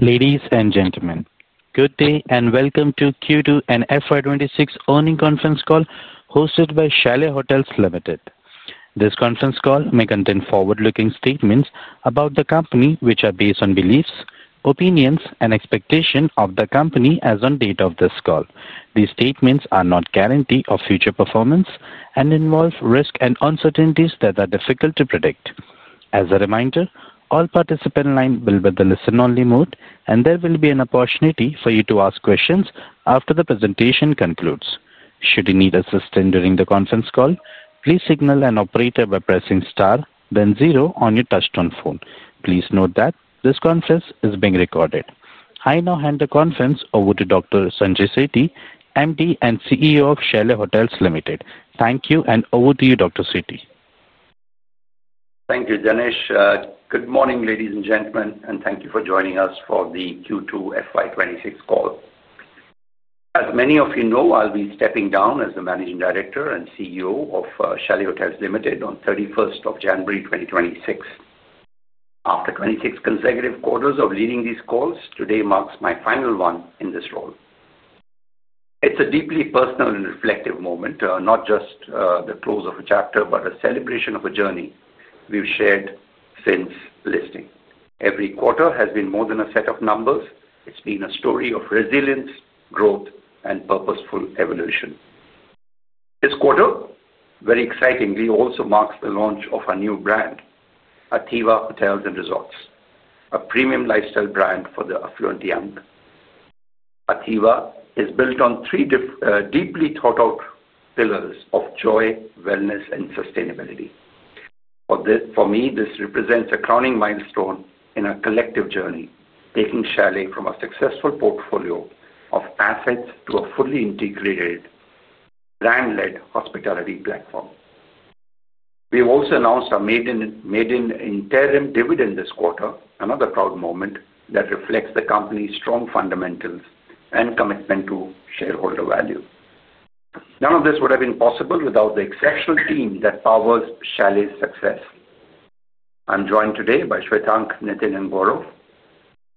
Ladies and gentlemen, good day and welcome to Q2 and FY 2026 Earning Conference Call hosted by Chalet Hotels Ltd. This conference call may contain forward-looking statements about the company, which are based on beliefs, opinions, and expectations of the company as of the date of this call. These statements are not a guarantee of future performance and involve risks and uncertainties that are difficult to predict. As a reminder, all participants in the line will be in the listen-only mode, and there will be an opportunity for you to ask questions after the presentation concludes. Should you need assistance during the conference call, please signal an operator by pressing star, then zero on your touch-tone phone. Please note that this conference is being recorded. I now hand the conference over to Dr. Sanjay Sethi, MD and CEO of Chalet Hotels Ltd. Thank you, and over to you, Dr. Sethi. Thank you, Ganesh. Good morning, ladies and gentlemen, and thank you for joining us for the Q2 FY 2026 call. As many of you know, I'll be stepping down as the Managing Director and CEO of Chalet Hotels Ltd on the 31st of January, 2026. After 26 consecutive quarters of leading these calls, today marks my final one in this role. It's a deeply personal and reflective moment, not just the close of a chapter but a celebration of a journey we've shared since listing. Every quarter has been more than a set of numbers. It's been a story of resilience, growth, and purposeful evolution. This quarter, very excitingly, also marks the launch of our new brand, ATHIVA Hotels & Resorts, a premium lifestyle brand for the affluent young. ATHIVA is built on three deeply thought-out pillars of joy, wellness, and sustainability. For me, this represents a crowning milestone in our collective journey, taking Chalet from a successful portfolio of assets to a fully integrated, brand-led hospitality platform. We've also announced our maiden interim dividend this quarter, another proud moment that reflects the company's strong fundamentals and commitment to shareholder value. None of this would have been possible without the exceptional team that powers Chalet's success. I'm joined today by Shwetank, Nitin, and Gaurav,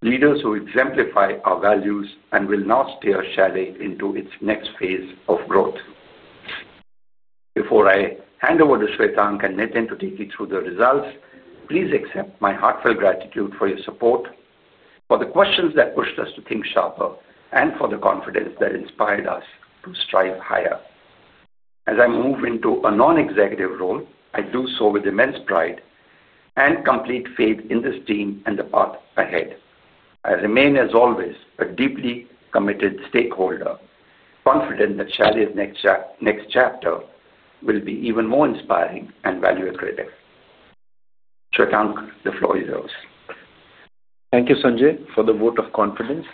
leaders who exemplify our values and will now steer Chalet into its next phase of growth. Before I hand over to Shwetank and Nitin to take you through the results, please accept my heartfelt gratitude for your support. For the questions that pushed us to think sharper, and for the confidence that inspired us to strive higher. As I move into a non-executive role, I do so with immense pride and complete faith in this team and the path ahead. I remain, as always, a deeply committed stakeholder, confident that Chalet's next chapter will be even more inspiring and value-accredited. Shwetank, the floor is yours. Thank you, Sanjay, for the vote of confidence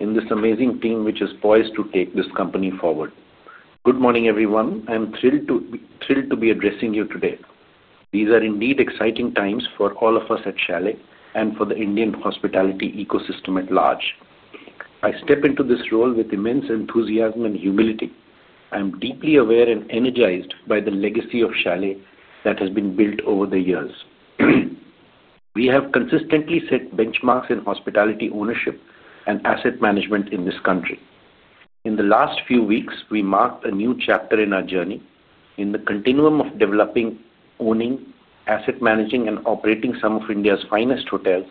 in this amazing team which is poised to take this company forward. Good morning, everyone. I'm thrilled to be addressing you today. These are indeed exciting times for all of us at Chalet and for the Indian hospitality ecosystem at large. I step into this role with immense enthusiasm and humility. I'm deeply aware and energized by the legacy of Chalet that has been built over the years. We have consistently set benchmarks in hospitality ownership and asset management in this country. In the last few weeks, we marked a new chapter in our journey. In the continuum of developing, owning, asset managing, and operating some of India's finest hotels,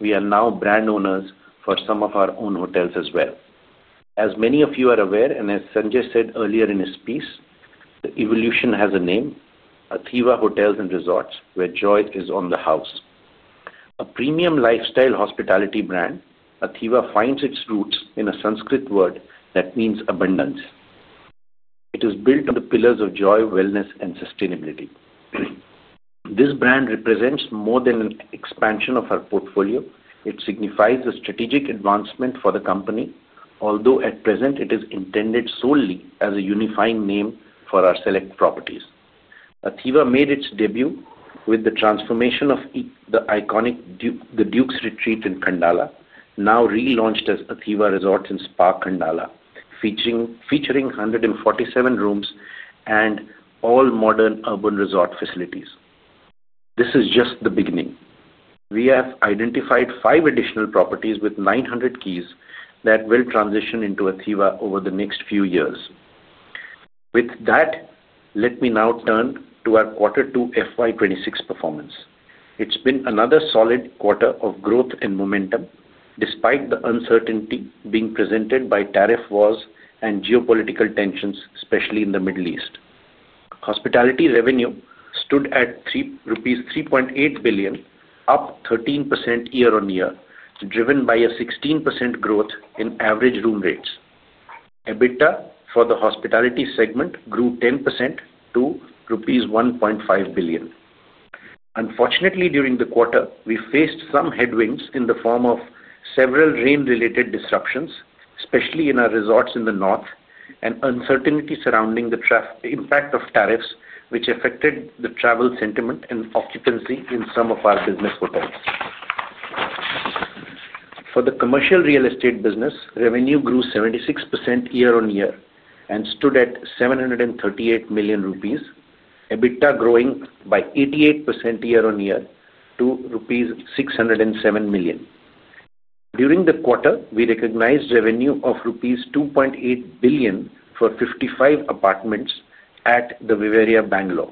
we are now brand owners for some of our own hotels as well. As many of you are aware, and as Sanjay said earlier in his piece, the evolution has a name: ATHIVA Hotels & Resorts, where joy is on the house. A premium lifestyle hospitality brand, ATHIVA finds its roots in a Sanskrit word that means abundance. It is built on the pillars of joy, wellness, and sustainability. This brand represents more than an expansion of our portfolio. It signifies a strategic advancement for the company, although at present, it is intended solely as a unifying name for our select properties. ATHIVA made its debut with the transformation of the iconic Duke's Retreat in Khandala, now relaunched as ATHIVA Resorts and Spa Khandala, featuring 147 rooms and all modern urban resort facilities. This is just the beginning. We have identified five additional properties with 900 keys that will transition into ATHIVA over the next few years. With that, let me now turn to our Quarter Two FY 2026 performance. It's been another solid quarter of growth and momentum, despite the uncertainty being presented by tariff wars and geopolitical tensions, especially in the Middle East. Hospitality revenue stood at rupees 3.8 billion, up 13% year-on-year, driven by a 16% growth in average room rates. EBITDA for the hospitality segment grew 10% to rupees 1.5 billion. Unfortunately, during the quarter, we faced some headwinds in the form of several rain-related disruptions, especially in our resorts in the north, and uncertainty surrounding the impact of tariffs, which affected the travel sentiment and occupancy in some of our business hotels. For the commercial real estate business, revenue grew 76% year-on-year and stood at 738 million rupees. EBITDA growing by 88% year-on-year to rupees 607 million. During the quarter, we recognized revenue of rupees 2.8 billion for 55 apartments at The Vivarea Bengaluru.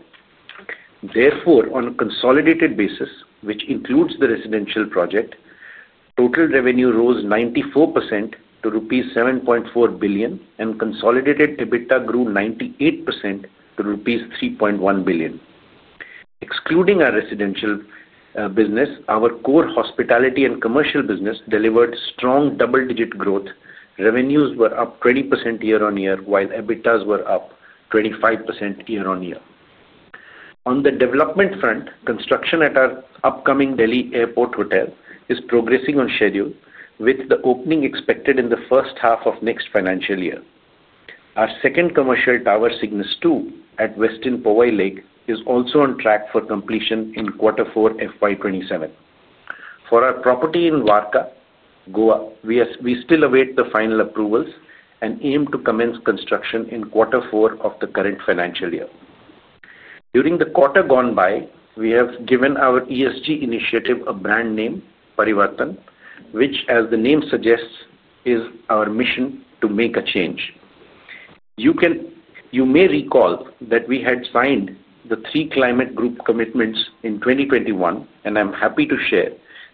Therefore, on a consolidated basis, which includes the residential project, total revenue rose 94% to rupees 7.4 billion, and consolidated EBITDA grew 98% to rupees 3.1 billion. Excluding our residential business, our core hospitality and commercial business delivered strong double-digit growth. Revenues were up 20% year-on-year, while EBITDAs were up 25% year-on-year. On the development front, construction at our upcoming Delhi Airport Hotel is progressing on schedule, with the opening expected in the first half of next financial year. Our second commercial tower, Cygnus 2 at Westin Powai Lake, is also on track for completion in quarter four FY 2027. For our property in Varca, Goa, we still await the final approvals and aim to commence construction in quarter four of the current financial year. During the quarter gone by, we have given our ESG initiative a brand name, Parivartan, which, as the name suggests, is our mission to make a change. You may recall that we had signed the three Climate Group commitments in 2021, and I'm happy to share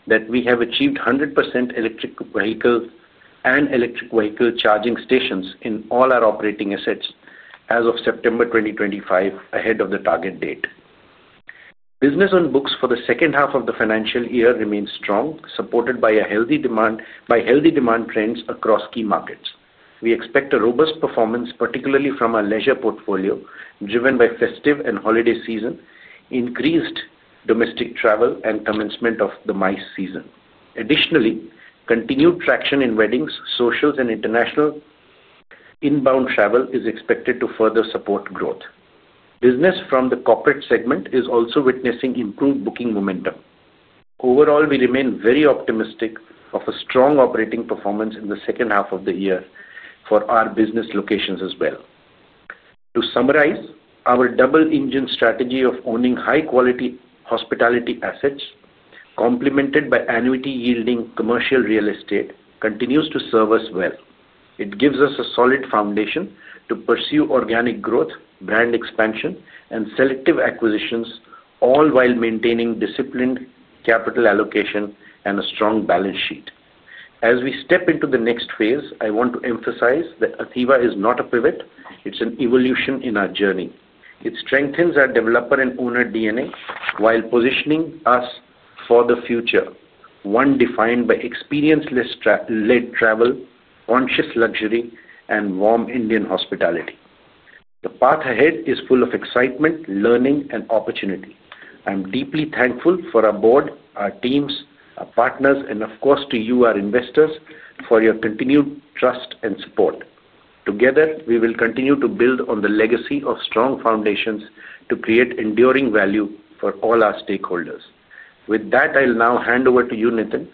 that we have achieved 100% electric vehicles and electric vehicle charging stations in all our operating assets as of September 2025, ahead of the target date. Business on books for the second half of the financial year remains strong, supported by healthy demand trends across key markets. We expect a robust performance, particularly from our leisure portfolio, driven by festive and holiday season, increased domestic travel, and commencement of the MICE season. Additionally, continued traction in weddings, socials, and international inbound travel is expected to further support growth. Business from the corporate segment is also witnessing improved booking momentum. Overall, we remain very optimistic of a strong operating performance in the second half of the year for our business locations as well. To summarize, our double-engine strategy of owning high-quality hospitality assets, complemented by annuity-yielding commercial real estate, continues to serve us well. It gives us a solid foundation to pursue organic growth, brand expansion, and selective acquisitions, all while maintaining disciplined capital allocation and a strong balance sheet. As we step into the next phase, I want to emphasize that ATHIVA is not a pivot. It's an evolution in our journey. It strengthens our developer and owner DNA while positioning us for the future. One defined by experience-led travel, conscious luxury, and warm Indian hospitality. The path ahead is full of excitement, learning, and opportunity. I'm deeply thankful for our board, our teams, our partners, and of course, to you, our investors, for your continued trust and support. Together, we will continue to build on the legacy of strong foundations to create enduring value for all our stakeholders. With that, I'll now hand over to you, Nitin,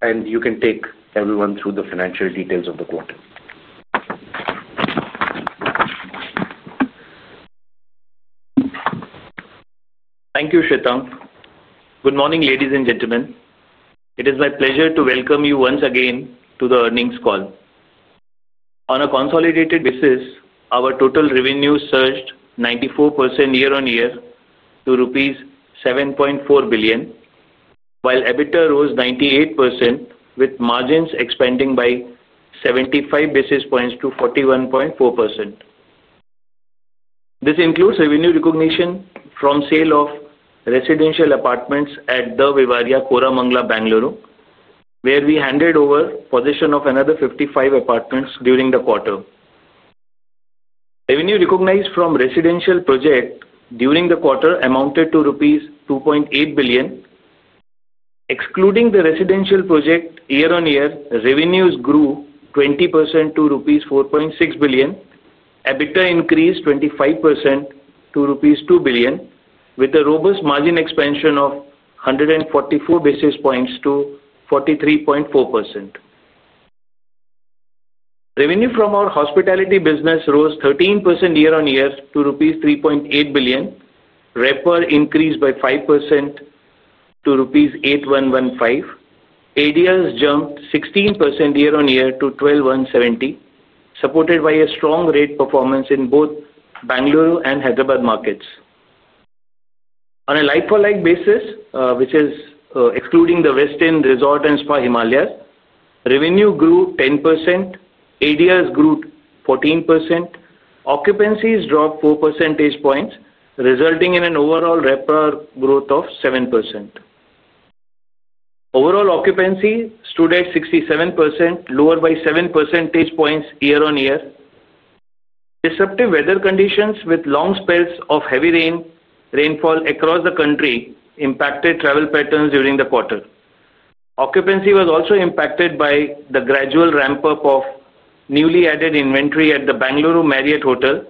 and you can take everyone through the financial details of the quarter. Thank you, Shwetank. Good morning, ladies and gentlemen. It is my pleasure to welcome you once again to the earnings call. On a consolidated basis, our total revenue surged 94% year-on-year to rupees 7.4 billion, while EBITDA rose 98%, with margins expanding by 75 basis points to 41.4%. This includes revenue recognition from sale of residential apartments at The Vivarea Koramangala Bengaluru, where we handed over the possession of another 55 apartments during the quarter. Revenue recognized from residential projects during the quarter amounted to rupees 2.8 billion. Excluding the residential project year-on-year, revenues grew 20% to rupees 4.6 billion. EBITDA increased 25% to rupees 2 billion, with a robust margin expansion of 144 basis points to 43.4%. Revenue from our hospitality business rose 13% year-on-year to rupees 3.8 billion, RevPAR increased by 5% to rupees 8,115. ADRs jumped 16% year-on-year to 12,170, supported by a strong rate performance in both Bengaluru and Hyderabad markets. On a like-for-like basis, which is excluding the Westin Resort and Spa Himalayas, revenue grew 10%. ADRs grew 14%. Occupancies dropped 4 percentage points, resulting in an overall RevPAR growth of 7%. Overall occupancy stood at 67%, lower by 7% points year-on-year. Disruptive weather conditions, with long spells of heavy rainfall across the country, impacted travel patterns during the quarter. Occupancy was also impacted by the gradual ramp-up of newly added inventory at the Bengaluru Marriott Hotel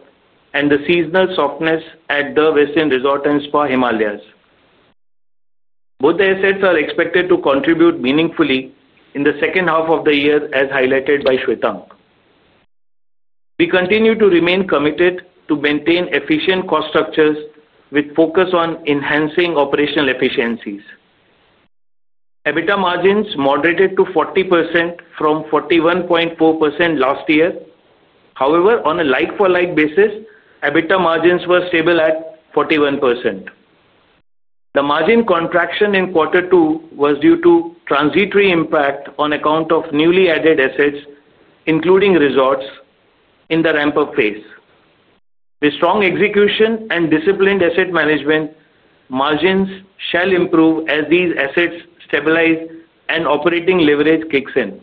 and the seasonal softness at the Westin Resort & Spa Himalayas. Both assets are expected to contribute meaningfully in the second half of the year, as highlighted by Shwetank. We continue to remain committed to maintain efficient cost structures with focus on enhancing operational efficiencies. EBITDA margins moderated to 40% from 41.4% last year. However, on a like-for-like basis, EBITDA margins were stable at 41%. The margin contraction in quarter two was due to transitory impact on account of newly added assets, including resorts, in the ramp-up phase. With strong execution and disciplined asset management, margins shall improve as these assets stabilize and operating leverage kicks in.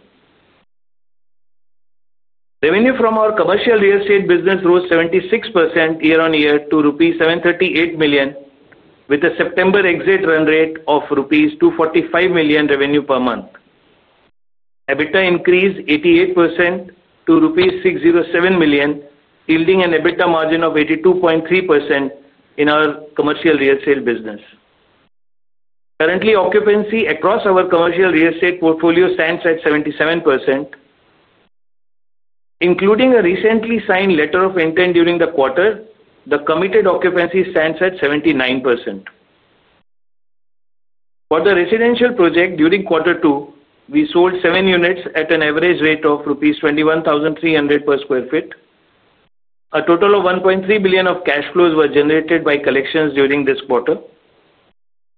Revenue from our commercial real estate business rose 76% year-on-year to rupees 738 million, with a September exit run rate of rupees 245 million revenue per month. EBITDA increased 88% to rupees 607 million, yielding an EBITDA margin of 82.3% in our commercial real estate business. Currently, occupancy across our commercial real estate portfolio stands at 77%. Including a recently signed letter of intent during the quarter, the committed occupancy stands at 79%. For the residential project during quarter two, we sold seven units at an average rate of rupees 21,300 per sq ft. A total of 1.3 billion of cash flows were generated by collections during this quarter.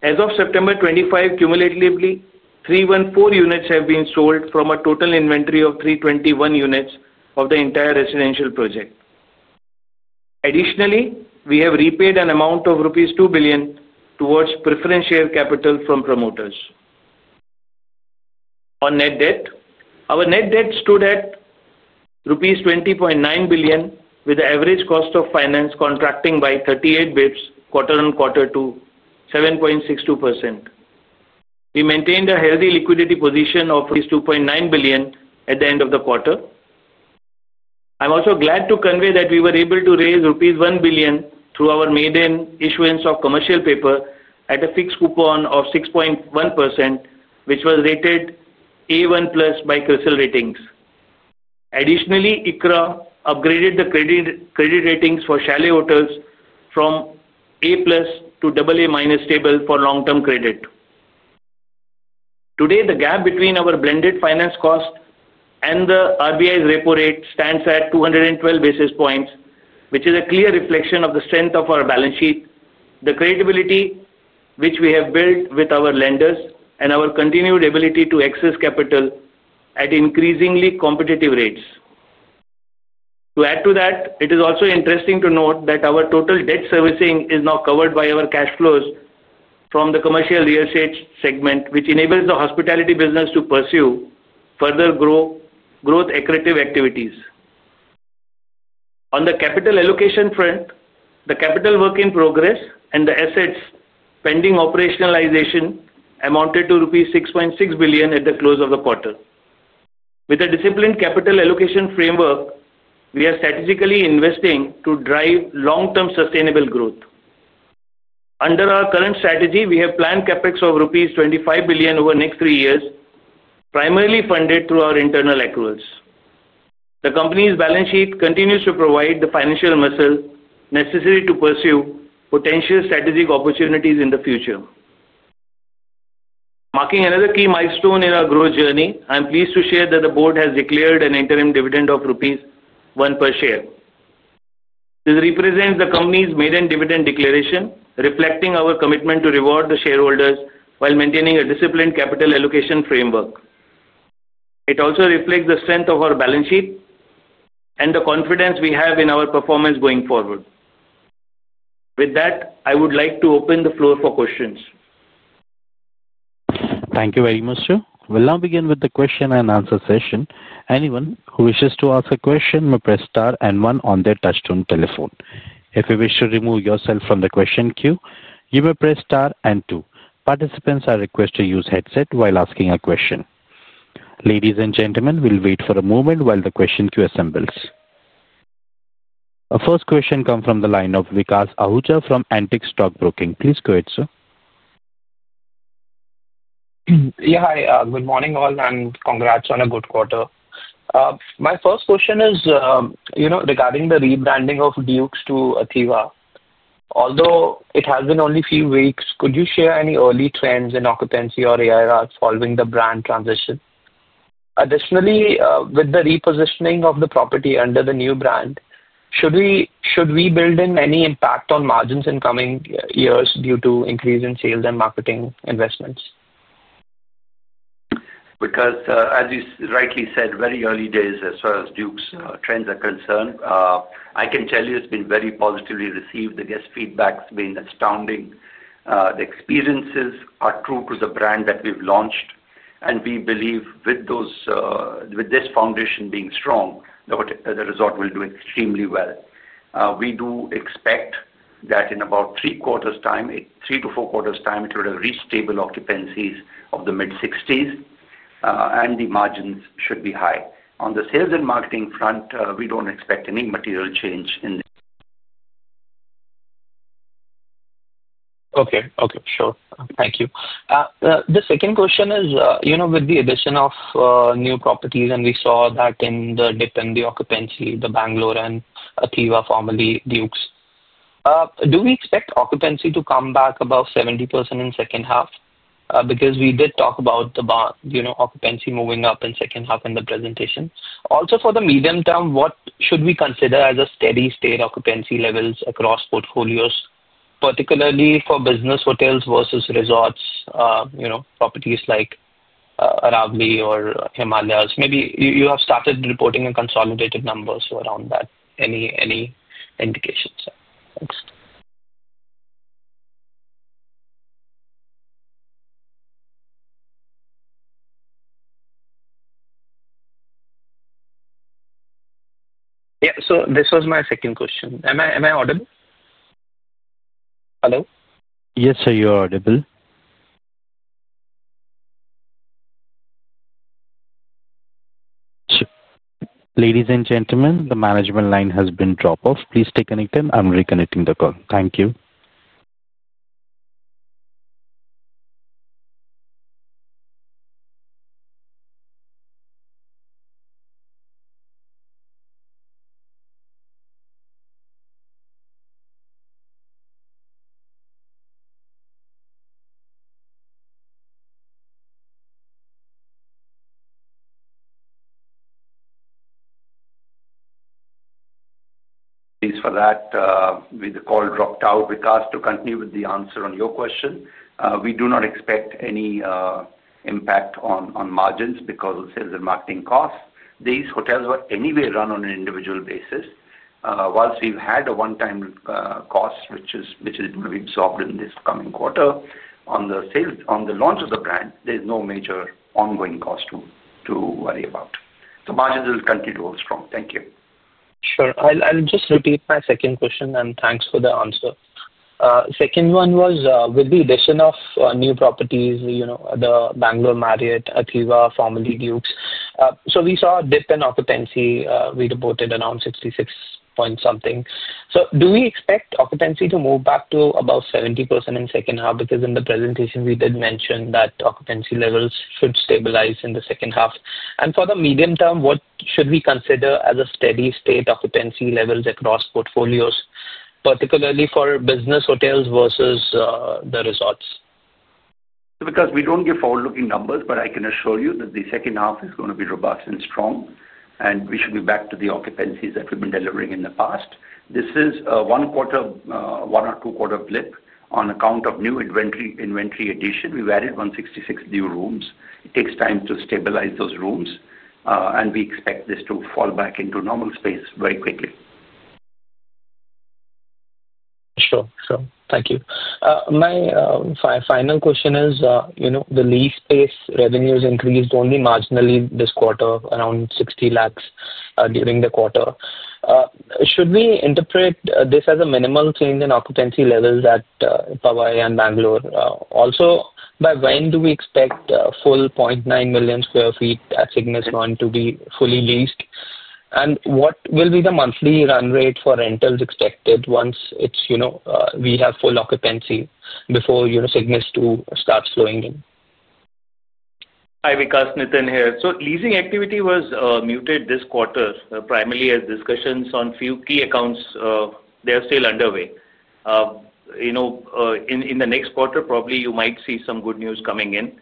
As of September 25, cumulatively, 314 units have been sold from a total inventory of 321 units of the entire residential project. Additionally, we have repaid an amount of 2 billion rupees towards preferential capital from promoters. On net debt, our net debt stood at rupees 20.9 billion, with the average cost of finance contracting by 38 basis points quarter-on-quarter to 7.62%. We maintained a healthy liquidity position of INR 2.9 billion at the end of the quarter. I'm also glad to convey that we were able to raise INR 1 billion through our maiden issuance of commercial paper at a fixed coupon of 6.1%, which was rated A1+ by CRISIL Ratings. Additionally, ICRA upgraded the credit ratings for Chalet Hotels from A+ to AA- stable for long-term credit. Today, the gap between our blended finance cost and the RBI's repo rate stands at 212 basis points, which is a clear reflection of the strength of our balance sheet, the credibility which we have built with our lenders, and our continued ability to access capital at increasingly competitive rates. To add to that, it is also interesting to note that our total debt servicing is now covered by our cash flows from the commercial real estate segment, which enables the hospitality business to pursue further growth-accretive activities. On the capital allocation front, the capital work in progress and the assets pending operationalization amounted to rupees 6.6 billion at the close of the quarter. With a disciplined capital allocation framework, we are strategically investing to drive long-term sustainable growth. Under our current strategy, we have planned CapEx of rupees 25 billion over the next three years, primarily funded through our internal accruals. The company's balance sheet continues to provide the financial muscle necessary to pursue potential strategic opportunities in the future. Marking another key milestone in our growth journey, I'm pleased to share that the board has declared an interim dividend of rupees 1 per share. This represents the company's maiden dividend declaration, reflecting our commitment to reward the shareholders while maintaining a disciplined capital allocation framework. It also reflects the strength of our balance sheet. The confidence we have in our performance going forward. With that, I would like to open the floor for questions. Thank you very much, sir. We'll now begin with the question and answer session. Anyone who wishes to ask a question may press star and one on their touchstone telephone. If you wish to remove yourself from the question queue, you may press star and two. Participants are requested to use headsets while asking a question. Ladies and gentlemen, we'll wait for a moment while the question queue assembles. Our first question comes from the line of Vikas Ahuja from Antique Stock Broking. Please go ahead, sir. Yeah, hi. Good morning, all, and congrats on a good quarter. My first question is. Regarding the rebranding of Duke's to ATHIVA. Although it has been only a few weeks, could you share any early trends in occupancy or ADR following the brand transition? Additionally, with the repositioning of the property under the new brand, should we build in any impact on margins in coming years due to increase in sales and marketing investments? Because, as you rightly said, very early days as far as Duke's trends are concerned, I can tell you it's been very positively received. The guest feedback has been astounding. The experiences are true to the brand that we've launched. We believe with. This foundation being strong, the resort will do extremely well. We do expect that in about three quarters' time, three to four quarters' time, it will have reached stable occupancies of the mid-60s. The margins should be high. On the sales and marketing front, we don't expect any material change in the. Okay. Okay. Sure. Thank you. The second question is, with the addition of new properties, and we saw that in the dip in the occupancy, the Bengaluru, and ATHIVA, formerly Duke's. Do we expect occupancy to come back above 70% in the second half? Because we did talk about the occupancy moving up in the second half in the presentation. Also, for the medium term, what should we consider as steady-state occupancy levels across portfolios, particularly for business hotels versus resorts? Properties like Aravalli or Himalayas? Maybe you have started reporting consolidated numbers around that. Any indications? Thanks. Yeah. So this was my second question. Am I audible? Hello? Yes, sir. You're audible. Ladies and gentlemen, the management line has been dropped off. Please stay connected. I'm reconnecting the call. Thank you. Please for that. With the call dropped out, Vikas to continue with the answer on your question. We do not expect any impact on margins because of sales and marketing costs. These hotels were anyway run on an individual basis. Whilst we've had a one-time cost, which is going to be absorbed in this coming quarter, on the launch of the brand, there's no major ongoing cost to worry about. The margins will continue to hold strong. Thank you. Sure. I'll just repeat my second question, and thanks for the answer. Second one was with the addition of new properties, the Bengaluru Marriott, ATHIVA, formerly Duke's. So we saw a dip in occupancy. We reported around 66 point something. Do we expect occupancy to move back to about 70% in the second half? Because in the presentation, we did mention that occupancy levels should stabilize in the second half. For the medium term, what should we consider as steady-state occupancy levels across portfolios, particularly for business hotels versus the resorts? Because we don't give forward-looking numbers, but I can assure you that the second half is going to be robust and strong, and we should be back to the occupancies that we've been delivering in the past. This is a one-quarter, one or two-quarter blip on account of new inventory addition. We've added 166 new rooms. It takes time to stabilize those rooms, and we expect this to fall back into normal space very quickly. Sure. Sure. Thank you. My final question is, the lease-based revenues increased only marginally this quarter, around 60 lakh during the quarter. Should we interpret this as a minimal change in occupancy levels at Powai and Bengaluru? Also, by when do we expect full 0.9 million sq ft at Cygnus 1 to be fully leased? What will be the monthly run rate for rentals expected once we have full occupancy before Cygnus 2 starts flowing in? Hi, Vikas, Nitin here. Leasing activity was muted this quarter, primarily as discussions on a few key accounts are still underway. In the next quarter, probably you might see some good news coming in.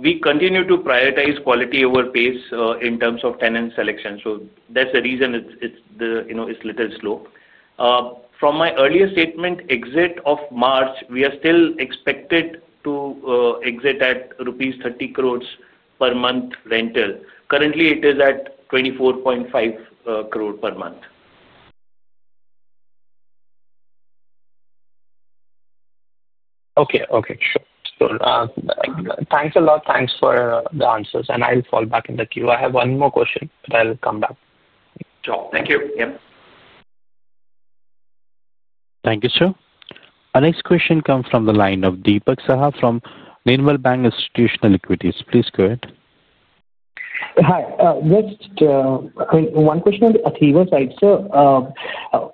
We continue to prioritize quality over pace in terms of tenant selection. That's the reason it's a little slow. From my earlier statement, exit of March, we are still expected to exit at rupees 300 crore per month rental. Currently, it is at 245 crore per month. Okay. Okay. Sure. Sure. Thanks a lot. Thanks for the answers, and I'll fall back in the queue. I have one more question, but I'll come back. Sure. Thank you. Yep. Thank you, sir. Our next question comes from the line of Dipak Saha from Nirmal Bang Institutional Equities. Please go ahead. Hi. Just one question on the ATHIVA side. Sir,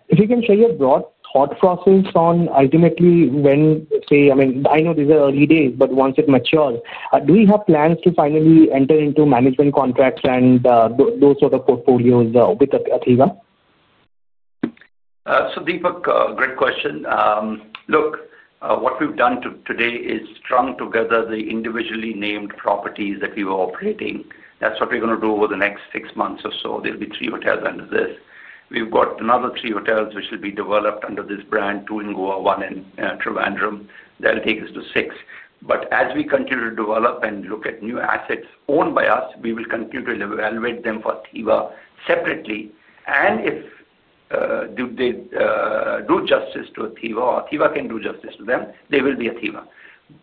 if you can share your broad thought process on ultimately when, say, I mean, I know these are early days, but once it matures, do we have plans to finally enter into management contracts and those sort of portfolios with ATHIVA? So, Dipak, great question. Look, what we've done today is strung together the individually named properties that we were operating. That's what we're going to do over the next six months or so. There'll be three hotels under this. We've got another three hotels which will be developed under this brand: two in Goa, one in Trivandrum. That'll take us to six. As we continue to develop and look at new assets owned by us, we will continue to evaluate them for ATHIVA separately. If they do justice to ATHIVA, or ATHIVA can do justice to them, they will be ATHIVA.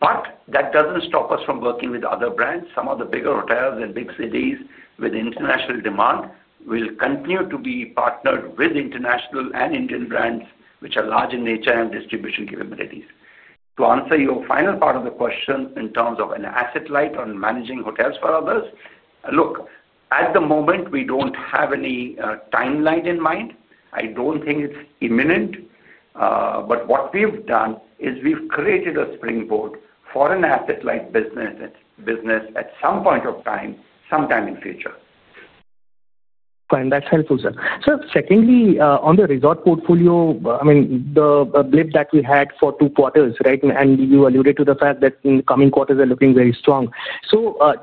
That doesn't stop us from working with other brands. Some of the bigger hotels in big cities with international demand will continue to be partnered with international and Indian brands which are large in nature and distribution capabilities. To answer your final part of the question in terms of an asset light on managing hotels for others, look, at the moment, we don't have any timeline in mind. I don't think it's imminent. What we've done is we've created a springboard for an asset-light business at some point of time, sometime in the future. That's helpful, sir. Sir, secondly, on the resort portfolio, I mean, the blip that we had for two quarters, right, and you alluded to the fact that in the coming quarters, they're looking very strong.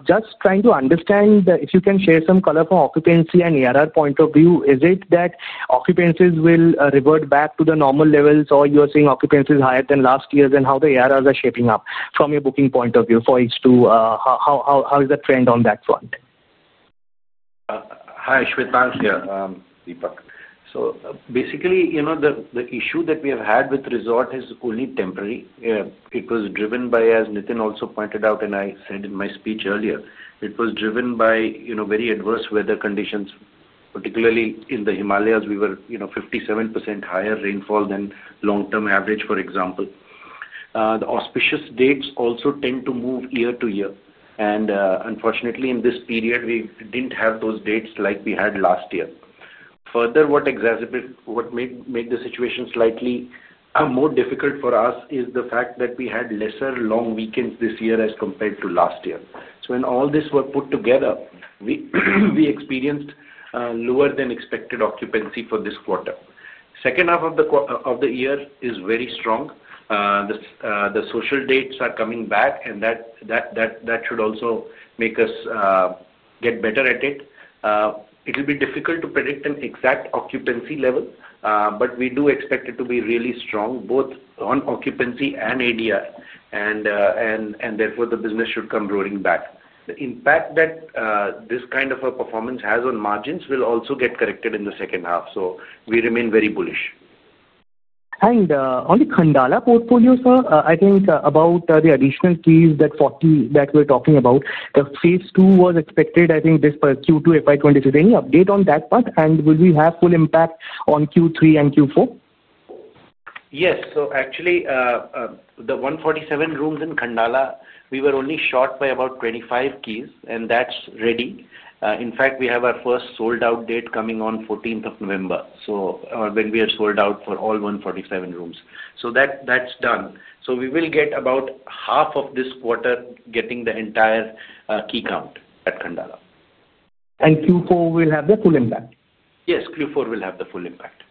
Just trying to understand if you can share some color from occupancy and ARR point of view, is it that occupancies will revert back to the normal levels, or you're seeing occupancies higher than last year, then how the ARRs are shaping up from your booking point of view? For H2, how is the trend on that front? Hi, Shwetank here, Dipak. Basically, the issue that we have had with resort is only temporary. It was driven by, as Nitin also pointed out, and I said in my speech earlier, it was driven by very adverse weather conditions, particularly in the Himalayas. We were 57% higher rainfall than long-term average, for example. The auspicious dates also tend to move year to year. Unfortunately, in this period, we didn't have those dates like we had last year. Further, what made the situation slightly more difficult for us is the fact that we had lesser long weekends this year as compared to last year. So when all this was put together, we experienced lower-than-expected occupancy for this quarter. The second half of the year is very strong. The social dates are coming back, and that should also make us get better at it. It will be difficult to predict an exact occupancy level, but we do expect it to be really strong, both on occupancy and ADR. Therefore, the business should come rolling back. The impact that this kind of a performance has on margins will also get corrected in the second half. We remain very bullish. On the Khandala portfolio, sir, I think about the additional keys that we're talking about, the phase two was expected, I think, this Q2, FY 2025. Any update on that part? And will we have full impact on Q3 and Q4? Yes. So actually, the 147 rooms in Khandala, we were only short by about 25 keys, and that's ready. In fact, we have our first sold-out date coming on 14th of November, when we are sold out for all 147 rooms. So that's done. We will get about half of this quarter getting the entire key count at Khandala. And Q4 will have the full impact? Yes. Q4 will have the full impact.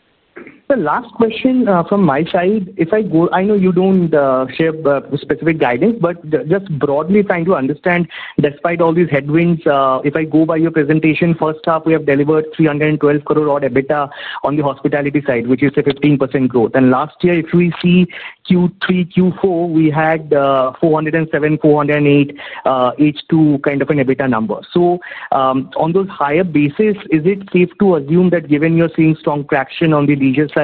The last question from my side. I know you don't share specific guidance, but just broadly trying to understand, despite all these headwinds, if I go by your presentation, first half, we have delivered 3.12 billion odd EBITDA on the hospitality side, which is a 15% growth. Last year, if we see Q3, Q4, we had 4.07 billion, 4.08 billion, H2 kind of an EBITDA number. On those higher bases, is it safe to assume that given you're seeing strong traction on the leisure side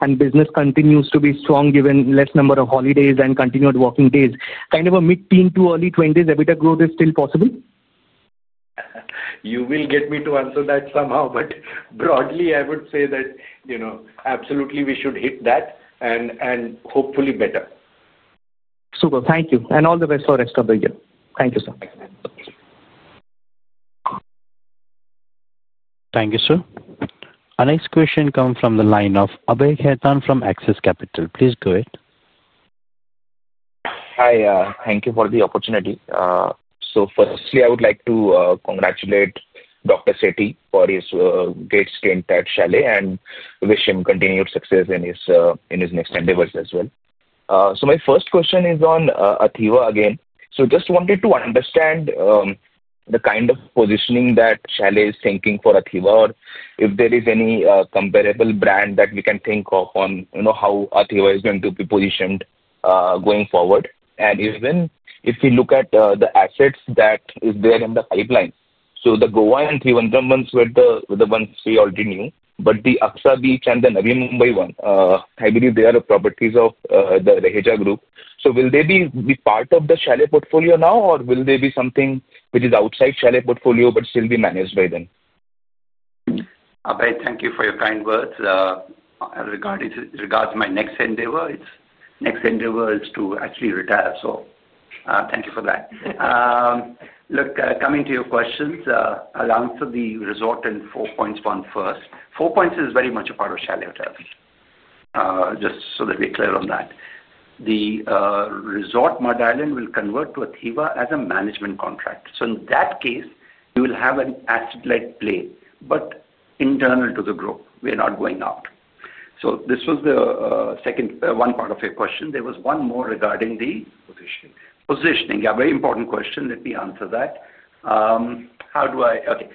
and business continues to be strong given less number of holidays and continued working days, kind of a mid-teen to early 20s EBITDA growth is still possible? You will get me to answer that somehow, but broadly, I would say that absolutely, we should hit that and hopefully better. Super. Thank you. All the best for the rest of the year. Thank you, sir. Thank you, sir. Our next question comes from the line of Abhay Khaitan from Axis Capital. Please go ahead. Hi. Thank you for the opportunity. Firstly, I would like to congratulate Dr. Sethi for his great stint at Chalet and wish him continued success in his next endeavors as well. My first question is on ATHIVA again. Just wanted to understand the kind of positioning that Chalet is thinking for ATHIVA, or if there is any comparable brand that we can think of on how ATHIVA is going to be positioned going forward. Even if we look at the assets that are there in the pipeline, the Goa and Trivandrum ones were the ones we already knew, but the Aksa Beach and the Navi Mumbai one, I believe they are properties of the Raheja Group. So will they be part of the Chalet portfolio now, or will they be something which is outside Chalet portfolio but still be managed by them? Abhay, thank you for your kind words. Regarding my next endeavor, next endeavor is to actually retire. Thank you for that. Look, coming to your questions, I'll answer the resort and Four Points one first. Four Points is very much a part of Chalet Hotels. Just so that we're clear on that. The Resort Mud Island will convert to ATHIVA as a management contract. In that case, you will have an asset-light play, but internal to the group. We're not going out. This was the second one part of your question. There was one more regarding the positioning. A very important question. Let me answer that. How do I, okay.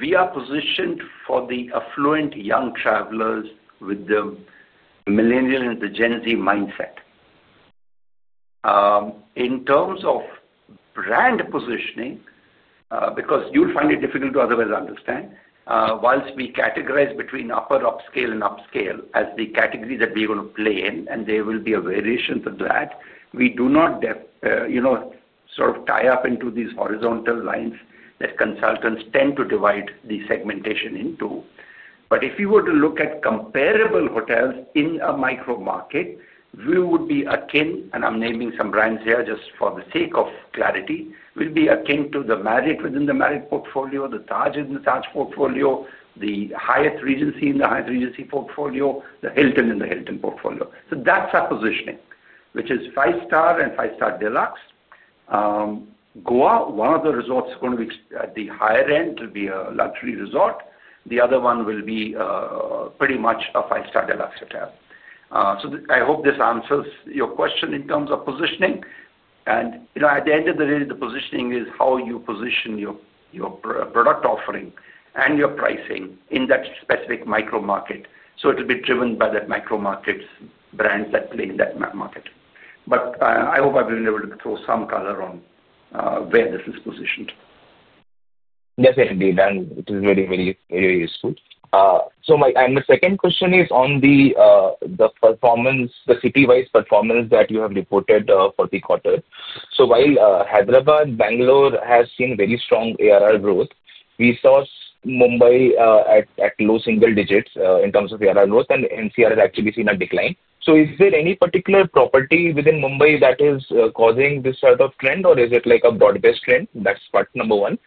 We are positioned for the affluent young travelers with the millennial and the Gen Z mindset. In terms of brand positioning, because you'll find it difficult to otherwise understand, whilst we categorize between upper upscale and upscale as the category that we are going to play in, and there will be a variation to that, we do not sort of tie up into these horizontal lines that consultants tend to divide the segmentation into. If you were to look at comparable hotels in a micro market, we would be akin—and I'm naming some brands here just for the sake of clarity—we'll be akin to the Marriott within the Marriott portfolio, the Taj within the Taj portfolio, the Hyatt Regency in the Hyatt Regency portfolio, the Hilton in the Hilton portfolio. That's our positioning, which is five-star and five-star deluxe. Goa, one of the resorts is going to be at the higher end. It'll be a luxury resort. The other one will be pretty much a five-star deluxe hotel. I hope this answers your question in terms of positioning. At the end of the day, the positioning is how you position your product offering and your pricing in that specific micro market. It'll be driven by that micro market's brands that play in that market. I hope I've been able to throw some color on where this is positioned. Definitely. It is very, very, very useful. My second question is on the city-wise performance that you have reported for the quarter. While Hyderabad, Bengaluru has seen very strong ARR growth, we saw Mumbai at low single digits in terms of ARR growth, and NCR has actually seen a decline. Is there any particular property within Mumbai that is causing this sort of trend, or is it a broad-based trend? That's part number one.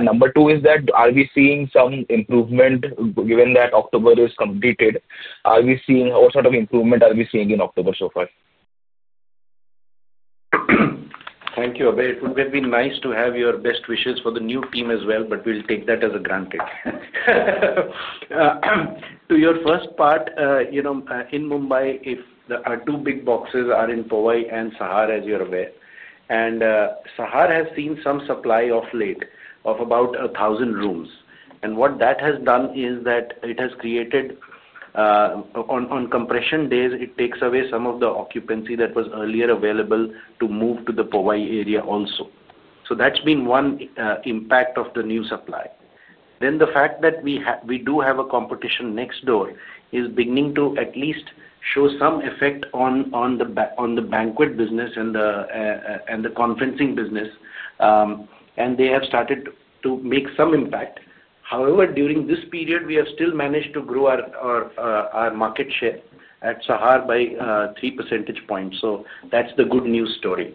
Number two is that are we seeing some improvement given that October is completed? What sort of improvement are we seeing in October so far? Thank you, Abhay. It would have been nice to have your best wishes for the new team as well, but we'll take that as a granted. To your first part. In Mumbai, if the two big boxes are in Powai and Sahar, as you're aware. And Sahar has seen some supply of late, of about 1,000 rooms. What that has done is that it has created, on compression days, it takes away some of the occupancy that was earlier available to move to the Powai area also. That's been one impact of the new supply. Then the fact that we do have a competition next door is beginning to at least show some effect on the banquet business and the conferencing business. They have started to make some impact. However, during this period, we have still managed to grow our market share at Sahar by 3% points. That's the good news story.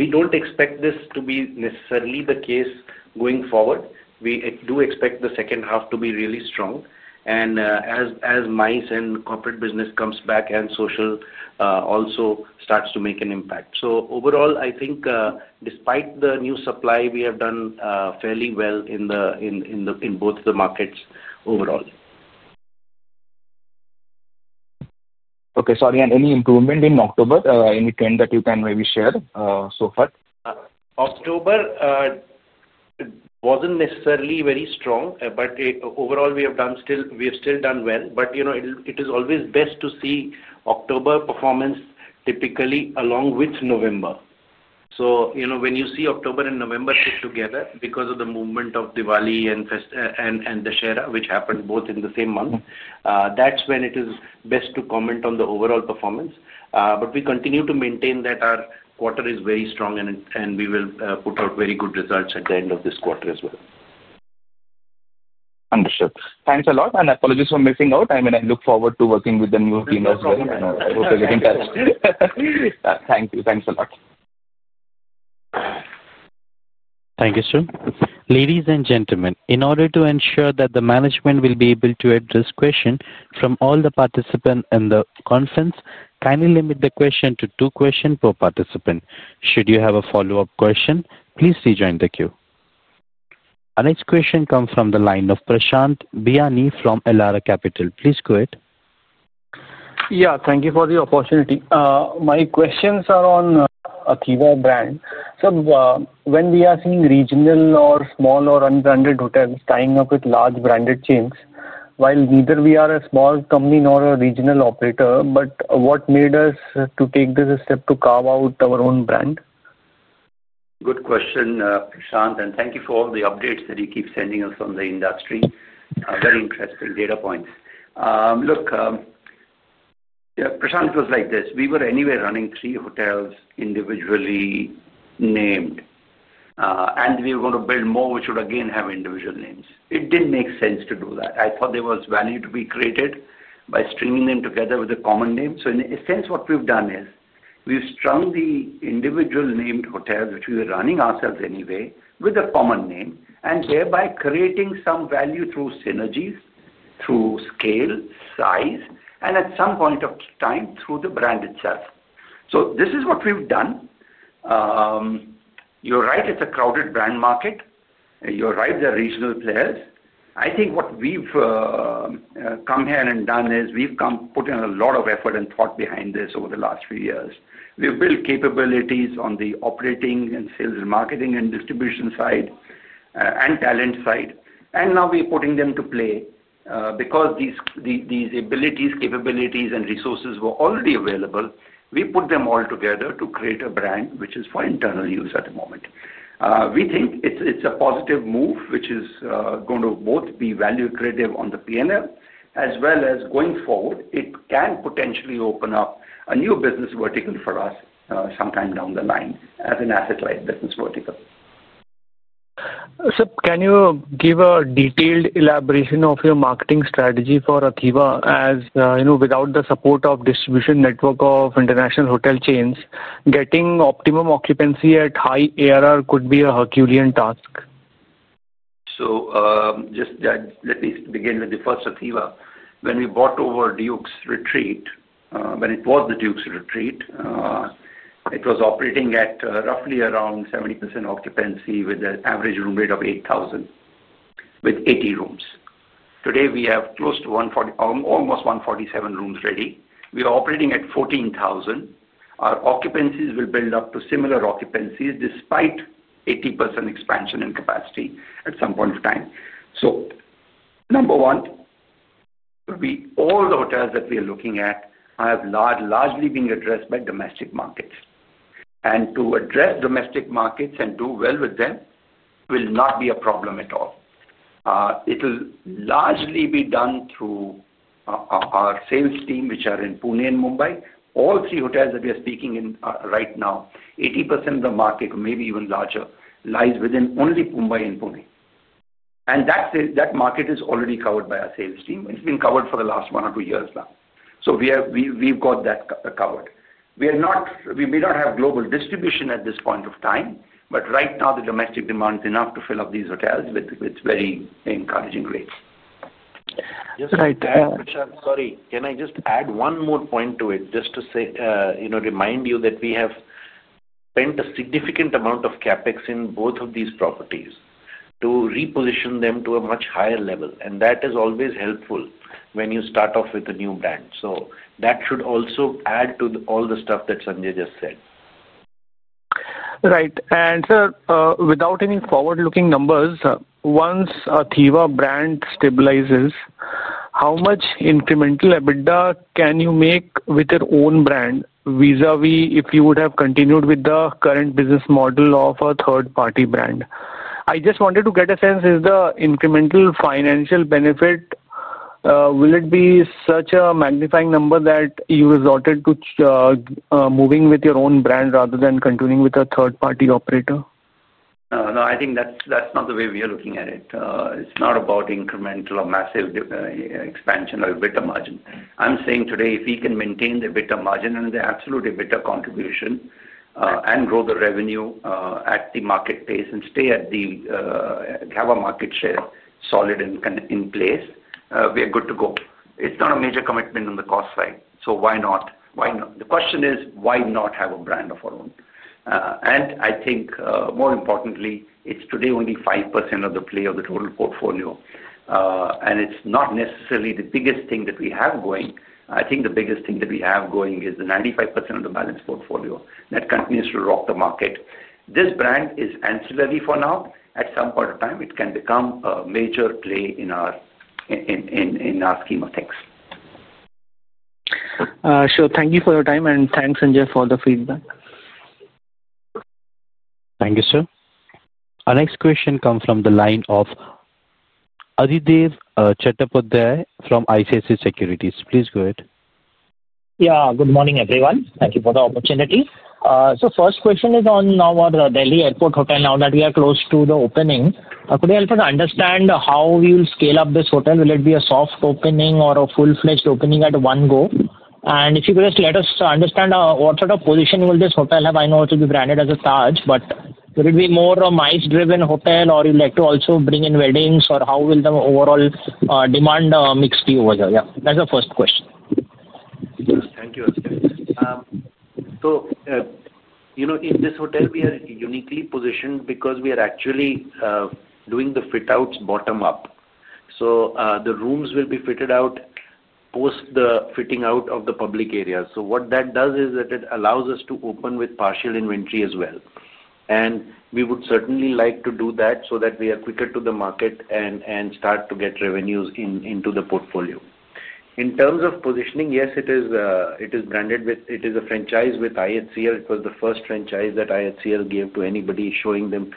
We don't expect this to be necessarily the case going forward. We do expect the second half to be really strong, as MICE and corporate business comes back and social also starts to make an impact. Overall, I think despite the new supply, we have done fairly well in both the markets overall. Okay. Sorry. Any improvement in October? Any trend that you can maybe share so far? October wasn't necessarily very strong, but overall, we have still done well. It is always best to see October performance typically along with November. When you see October and November put together because of the movement of Diwali and Dussehra, which happened both in the same month, that's when it is best to comment on the overall performance. We continue to maintain that our quarter is very strong, and we will put out very good results at the end of this quarter as well. Understood. Thanks a lot. And apologies for missing out. I mean, I look forward to working with the new team as well. I hope everything gets arranged. Thank you. Thanks a lot. Thank you, sir. Ladies and gentlemen, in order to ensure that the management will be able to address questions from all the participants in the conference, kindly limit the question to two questions per participant. Should you have a follow-up question, please rejoin the queue. Our next question comes from the line of Prashant Biyani from Elara Capital. Please go ahead. Yeah. Thank you for the opportunity. My questions are on ATHIVA brand. When we are seeing regional or small or unbranded hotels tying up with large branded chains, while neither we are a small company nor a regional operator, what made us take this step to carve out our own brand? Good question, Prashant. And thank you for all the updates that you keep sending us on the industry. Very interesting data points. Look. Prashant was like this. We were anywhere running three hotels individually. Named. We were going to build more, which would again have individual names. It did not make sense to do that. I thought there was value to be created by stringing them together with a common name. In a sense, what we have done is we have strung the individual named hotels, which we were running ourselves anyway, with a common name and thereby creating some value through synergies, through scale, size, and at some point of time, through the brand itself. This is what we have done. You are right, it is a crowded brand market. You are right, there are regional players. I think what we have come here and done is we have put in a lot of effort and thought behind this over the last few years. We have built capabilities on the operating and sales and marketing and distribution side, and talent side. Now we are putting them to play. Because these abilities, capabilities, and resources were already available, we put them all together to create a brand which is for internal use at the moment. We think it is a positive move, which is going to both be value creative on the P&L as well as going forward, it can potentially open up a new business vertical for us sometime down the line as an asset-light business vertical. Can you give a detailed elaboration of your marketing strategy for ATHIVA as without the support of a distribution network of international hotel chains, getting optimum occupancy at high ARR could be a Herculean task? Let me begin with the first ATHIVA. When we bought over Duke's Retreat, when it was the Duke's Retreat, it was operating at roughly around 70% occupancy with an average room rate of 8,000 with 80 rooms. Today, we have close to almost 147 rooms ready. We are operating at 14,000. Our occupancies will build up to similar occupancies despite 80% expansion in capacity at some point of time. Number one, all the hotels that we are looking at have largely been addressed by domestic markets. To address domestic markets and do well with them will not be a problem at all. It will largely be done through our sales team, which are in Pune and Mumbai. All three hotels that we are speaking in right now, 80% of the market, maybe even larger, lies within only Mumbai and Pune. That market is already covered by our sales team. It has been covered for the last one or two years now. We have got that covered. We may not have global distribution at this point of time, but right now, the domestic demand is enough to fill up these hotels with very encouraging rates. Yes, Prashant, sorry. Can I just add one more point to it just to remind you that we have spent a significant amount of CapEx in both of these properties to reposition them to a much higher level. That is always helpful when you start off with a new brand. That should also add to all the stuff that Sanjay just said. Right. Sir, without any forward-looking numbers, once ATHIVA brand stabilizes, how much incremental EBITDA can you make with your own brand vis-à-vis if you would have continued with the current business model of a third-party brand? I just wanted to get a sense of the incremental financial benefit. Will it be such a magnifying number that you resorted to moving with your own brand rather than continuing with a third-party operator? No, I think that's not the way we are looking at it. It's not about incremental or massive expansion or EBITDA margin. I'm saying today, if we can maintain the EBITDA margin and the absolute EBITDA contribution and grow the revenue at the market pace and stay at the, have a market share solid in place, we are good to go. It's not a major commitment on the cost side. Why not? The question is, why not have a brand of our own? I think, more importantly, it's today only 5% of the play of the total portfolio. It's not necessarily the biggest thing that we have going. I think the biggest thing that we have going is the 95% of the balance portfolio that continues to rock the market. This brand is ancillary for now. At some point of time, it can become a major play in our scheme of things. Sure. Thank you for your time. Thanks, Sanjay, for the feedback. Thank you, sir. Our next question comes from the line of Adidev Chattopadhyay from ICICI Securities. Please go ahead. Yeah. Good morning, everyone. Thank you for the opportunity. First question is on our Delhi Airport Hotel, now that we are close to the opening. Could you help us understand how we will scale up this hotel? Will it be a soft opening or a full-fledged opening at one go? If you could just let us understand what sort of position will this hotel have? I know it will be branded as a Taj, but will it be more a MICE-driven hotel, or you'd like to also bring in weddings, or how will the overall demand mix be over there? Yeah. That's the first question. Thank you, Adidev. In this hotel, we are uniquely positioned because we are actually doing the fit-outs bottom-up. The rooms will be fitted out post the fitting out of the public areas. What that does is that it allows us to open with partial inventory as well. We would certainly like to do that so that we are quicker to the market and start to get revenues into the portfolio. In terms of positioning, yes, it is branded with, it is a franchise with IHCL. It was the first franchise that IHCL gave to anybody, showing them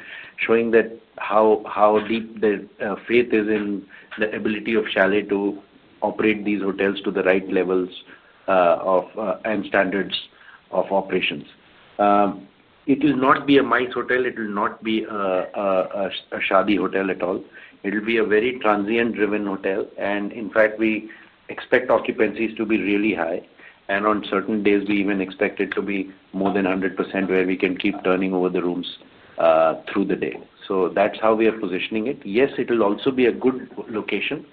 how deep their faith is in the ability of Chalet to operate these hotels to the right levels. Standards of operations. It will not be a MICE hotel. It will not be a Shadi hotel at all. It will be a very transient-driven hotel. In fact, we expect occupancies to be really high. On certain days, we even expect it to be more than 100% where we can keep turning over the rooms through the day. That is how we are positioning it. Yes, it will also be a good location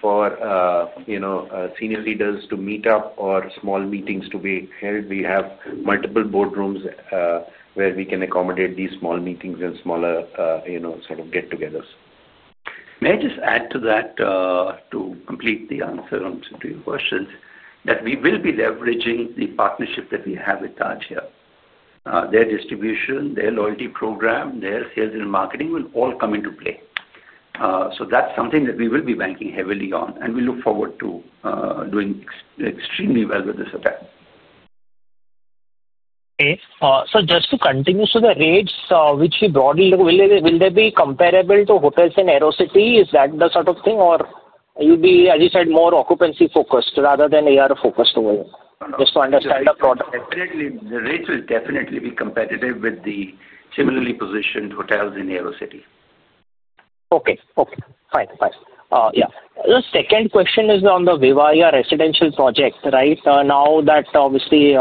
for senior leaders to meet up or small meetings to be held. We have multiple boardrooms where we can accommodate these small meetings and smaller sort of get-togethers. May I just add to that to complete the answer to your questions, that we will be leveraging the partnership that we have with Taj here. Their distribution, their loyalty program, their sales and marketing will all come into play. That is something that we will be banking heavily on. We look forward to doing extremely well with this hotel. Okay. Just to continue to the rates, which you brought in, will they be comparable to hotels in AeroCity? Is that the sort of thing, or you would be, as you said, more occupancy-focused rather than ARR-focused over here? Just to understand the product. Definitely. The rates will definitely be competitive with the similarly positioned hotels in AeroCity. Okay. Fine. The second question is on the Vivarea residential project, right? Now that obviously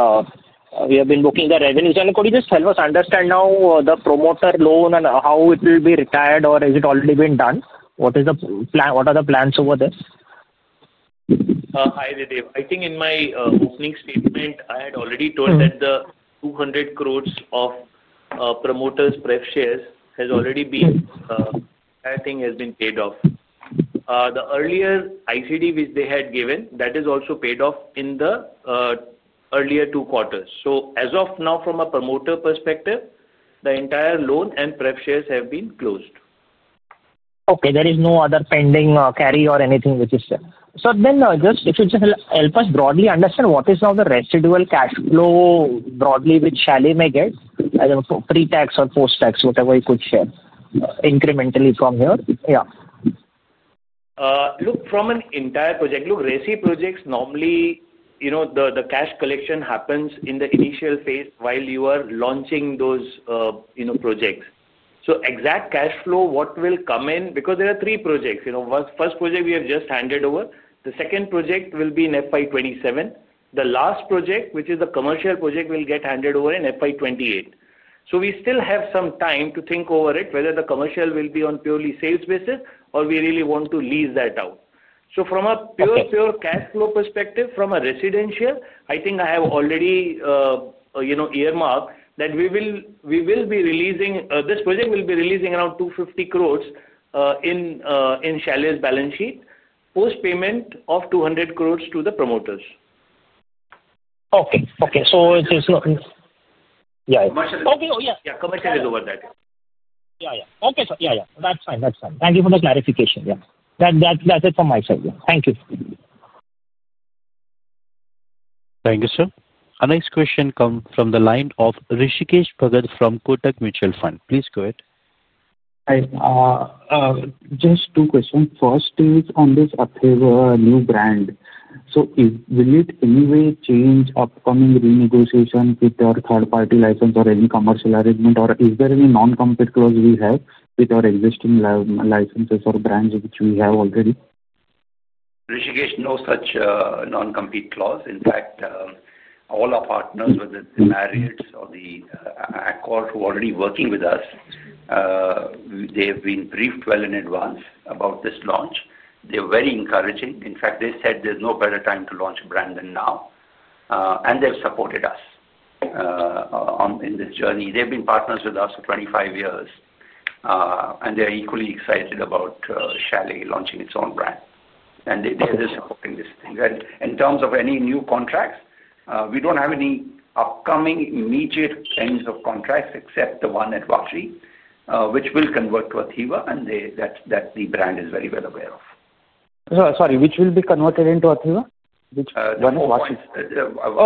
we have been booking the revenues. Could you just help us understand now the promoter loan and how it will be retired, or has it already been done? What are the plans over there? Hi, Adidev. I think in my opening statement, I had already told that the 2.0 crore of promoters' pref shares have already been, I think, paid off. The earlier ICD, which they had given, that is also paid off in the earlier two quarters. As of now, from a promoter perspective, the entire loan and pref shares have been closed. There is no other pending carry or anything, which is there. If you just help us broadly understand what is now the residual cash flow broadly with Chalet, may I get? Pre-tax or post-tax, whatever you could share incrementally from here. Yeah. Look, from an entire project, look, resi projects, normally the cash collection happens in the initial phase while you are launching those projects. Exact cash flow, what will come in, because there are three projects. First project we have just handed over. The second project will be in FY 2027. The last project, which is the commercial project, will get handed over in FY 2028. We still have some time to think over it, whether the commercial will be on purely sales basis or we really want to lease that out. From a pure cash flow perspective, from a residential, I think I have already. Earmarked that we will be releasing this project, will be releasing around 250 crore in Chalet's balance sheet post payment of 200 crore to the promoters. Okay. Okay. So it's not. Yeah. Okay. Oh, yeah. Yeah. Commercial is over that. Yeah. Yeah. Okay. Yeah. Yeah. That's fine. That's fine. Thank you for the clarification. Yeah. That's it from my side. Thank you. Thank you, sir. Our next question comes from the line of Hrishikesh Bhagat from Kotak Mutual Fund. Please go ahead. Just two questions. First is on this new brand. So will it in any way change upcoming renegotiation with your third-party license or any commercial arrangement, or is there any non-compete clause we have with our existing licenses or brands which we have already? Hrishikesh, no such non-compete clause. In fact, all our partners, whether it's the Marriott or the Accor, who are already working with us, they have been briefed well in advance about this launch. They're very encouraging. In fact, they said there's no better time to launch a brand than now. And they've supported us in this journey. They've been partners with us for 25 years, and they're equally excited about Chalet launching its own brand. And they're just supporting this thing. In terms of any new contracts, we don't have any upcoming immediate ends of contracts except the one at Vashi, which will convert to ATHIVA, and that the brand is very well aware of. Sorry. Which will be converted into ATHIVA? Which one is Vashi?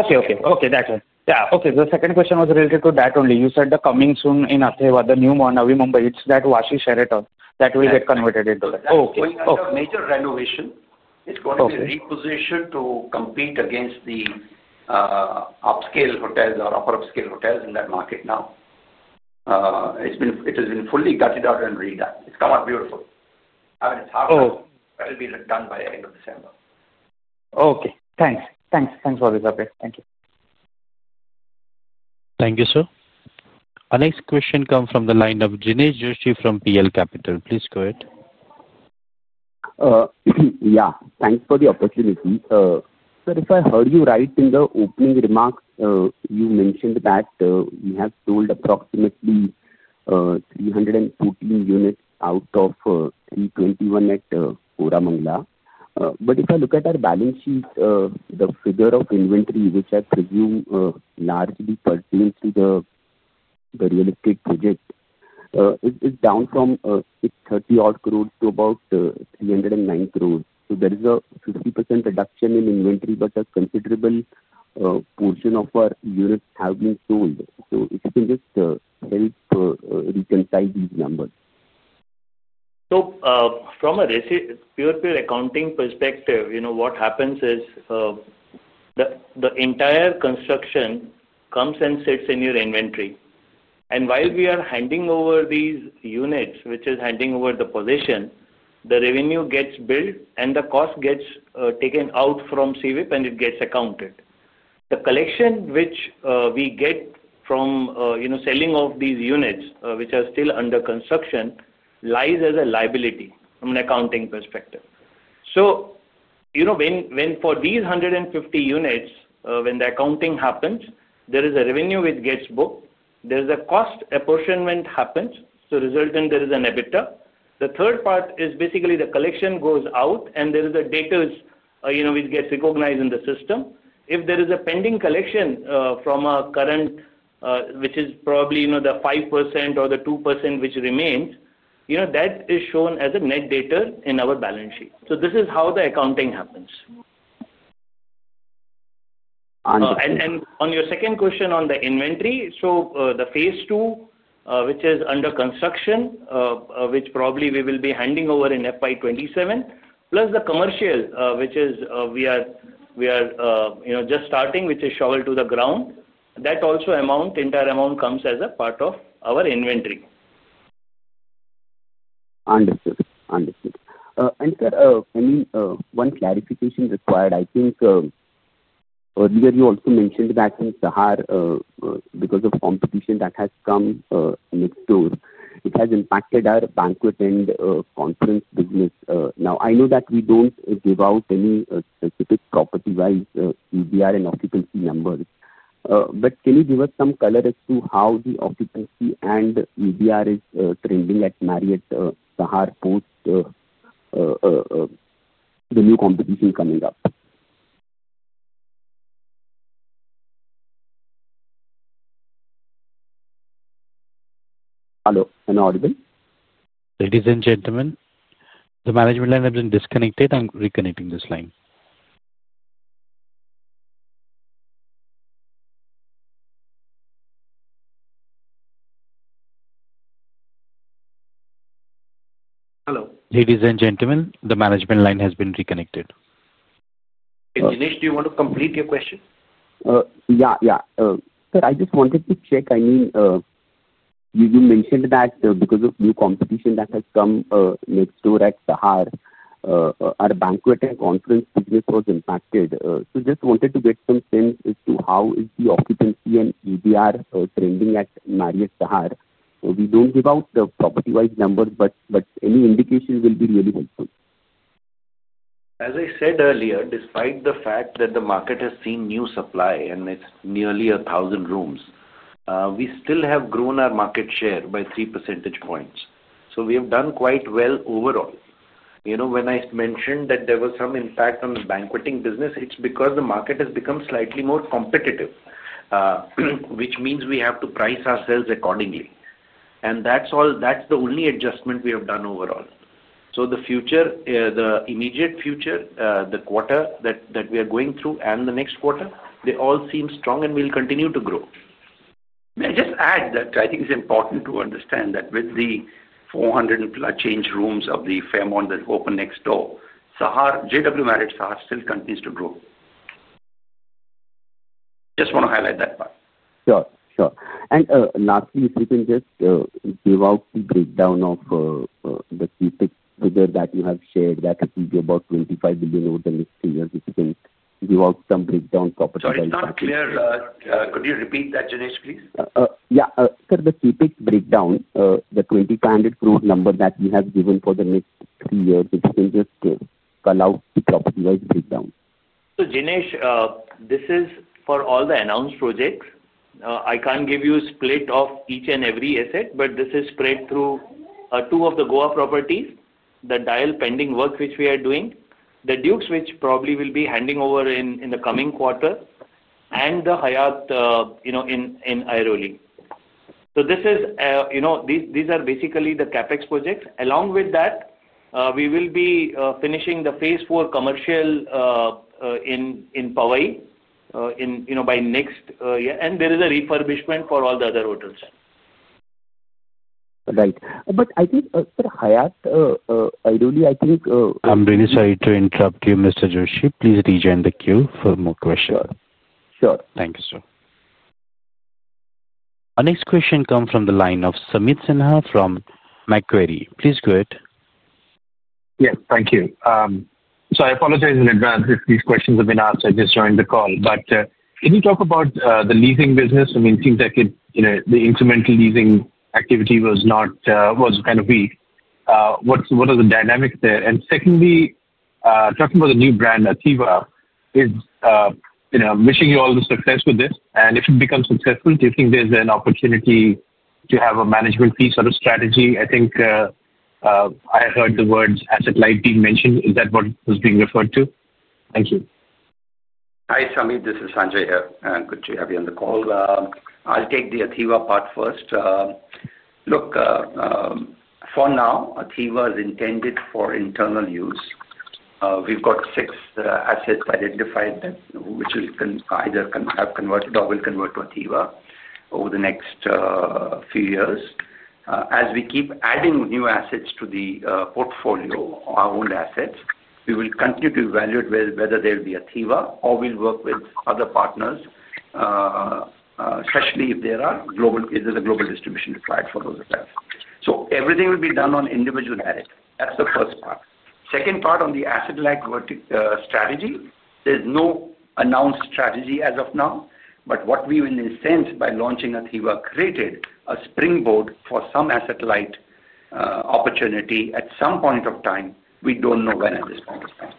Okay. Okay. Okay. That one. Yeah. Okay. The second question was related to that only. You said the coming soon in ATHIVA, the new Navi Mumbai, it's that Vashi Sheraton that will get converted into that. Okay. Major renovation. It's going to be repositioned to compete against the upscale hotels or upper-upscale hotels in that market now. It has been fully gutted out and redone. It's come out beautiful. I mean, it's hard to—it'll be done by the end of December. Okay. Thanks. Thanks. Thanks for this update. Thank you. Thank you, sir. Our next question comes from the line of Jinesh Joshi from PL Capital. Please go ahead. Yeah. Thanks for the opportunity. Sir, if I heard you right in the opening remarks, you mentioned that we have sold approximately 314 units out of 321 at Koramangala. But if I look at our balance sheet, the figure of inventory, which I presume largely pertains to the real estate project, is down from 30-odd crore to about 309 crore. So there is a 50% reduction in inventory, but a considerable portion of our units have been sold. So if you can just help reconcile these numbers. So from a pure accounting perspective, what happens is the entire construction comes and sits in your inventory. And while we are handing over these units, which is handing over the possession, the revenue gets built and the cost gets taken out from CWIP, and it gets accounted. The collection which we get from selling off these units, which are still under construction, lies as a liability from an accounting perspective. So, when for these 150 units, when the accounting happens, there is a revenue which gets booked. There's a cost apportionment happens, so resulting there is an EBITDA. The third part is basically the collection goes out, and there is a data which gets recognized in the system. If there is a pending collection from a current, which is probably the 5% or the 2% which remains, that is shown as a net debtor in our balance sheet. This is how the accounting happens. On your second question on the inventory, the phase two, which is under construction, which probably we will be handing over in FY 2027, plus the commercial, which we are just starting, which is shoveled to the ground, that also amount, entire amount comes as a part of our inventory. Understood. Understood. And sir, I mean, one clarification required. I think earlier you also mentioned that in Sahar, because of competition that has come next door, it has impacted our banquet and conference business. Now, I know that we don't give out any specific property-wise UBR and occupancy numbers, but can you give us some color as to how the occupancy and UBR is trending at Marriott Sahar post the new competition coming up? Hello? Am I audible? Ladies and gentlemen, the management line has been disconnected. I'm reconnecting this line. Hello. Ladies and gentlemen, the management line has been reconnected. Jinesh, do you want to complete your question? Yeah. Yeah. Sir, I just wanted to check. I mean, you mentioned that because of new competition that has come next door at Sahar, our banquet and conference business was impacted. Just wanted to get some sense as to how is the occupancy and UBR trending at Marriott Sahar. We don't give out the property-wise numbers, but any indication will be really helpful. As I said earlier, despite the fact that the market has seen new supply and it's nearly 1,000 rooms, we still have grown our market share by 3% points. We have done quite well overall. When I mentioned that there was some impact on the banqueting business, it's because the market has become slightly more competitive, which means we have to price ourselves accordingly. That's the only adjustment we have done overall. The immediate future, the quarter that we are going through and the next quarter, they all seem strong and will continue to grow. May I just add that I think it's important to understand that with the 400-plus change rooms of the Fairmont that opened next door, JW Marriott Sahar still continues to grow. Just want to highlight that part. Sure. Sure. And lastly, if you can just give out the breakdown of the key figure that you have shared, that is about 25 billion over the next three years. If you can give out some breakdown property-wise numbers. So it's not clear. Could you repeat that, Jinesh, please? Yeah. Sir, the key breakdown, the 25 billion number that we have given for the next three years, if you can just call out the property-wise breakdown. So Jinesh, this is for all the announced projects. I can't give you a split of each and every asset, but this is spread through. Two of the Goa properties, the Delhi Airport Hotel pending work which we are doing, the Duke's which probably will be handing over in the coming quarter, and the Hyatt in Airoli. So these are basically the CapEx projects. Along with that, we will be finishing the phase four commercial in Powai by next year. And there is a refurbishment for all the other hotels. Right. But I think, sir, Hyatt Airoli, I think. I'm really sorry to interrupt you, Mr. Joshi. Please rejoin the queue for more questions. Sure. Sure. Thank you, sir. Our next question comes from the line of Sumit Sinha from Macquarie. Please go ahead. Yes. Thank you. So I apologize in advance if these questions have been asked. I just joined the call. But can you talk about the leasing business? I mean, it seems like the incremental leasing activity was kind of weak. What are the dynamics there? And secondly, talking about the new brand, ATHIVA, wishing you all the success with this. And if it becomes successful, do you think there's an opportunity to have a management fee sort of strategy? I think I heard the words asset light being mentioned. Is that what was being referred to? Thank you. Hi, Sumit. This is Sanjay here. Good to have you on the call. I'll take the ATHIVA part first. Look, for now, ATHIVA is intended for internal use. We've got six assets identified which we can either have converted or will convert to ATHIVA over the next few years. As we keep adding new assets to the portfolio, our own assets, we will continue to evaluate whether they'll be ATHIVA or we'll work with other partners, especially if there is a global distribution required for those assets. So everything will be done on individual merit. That's the first part. Second part on the asset light strategy, there's no announced strategy as of now. But what we will incent by launching ATHIVA created a springboard for some asset light opportunity at some point of time. We don't know when at this point of time.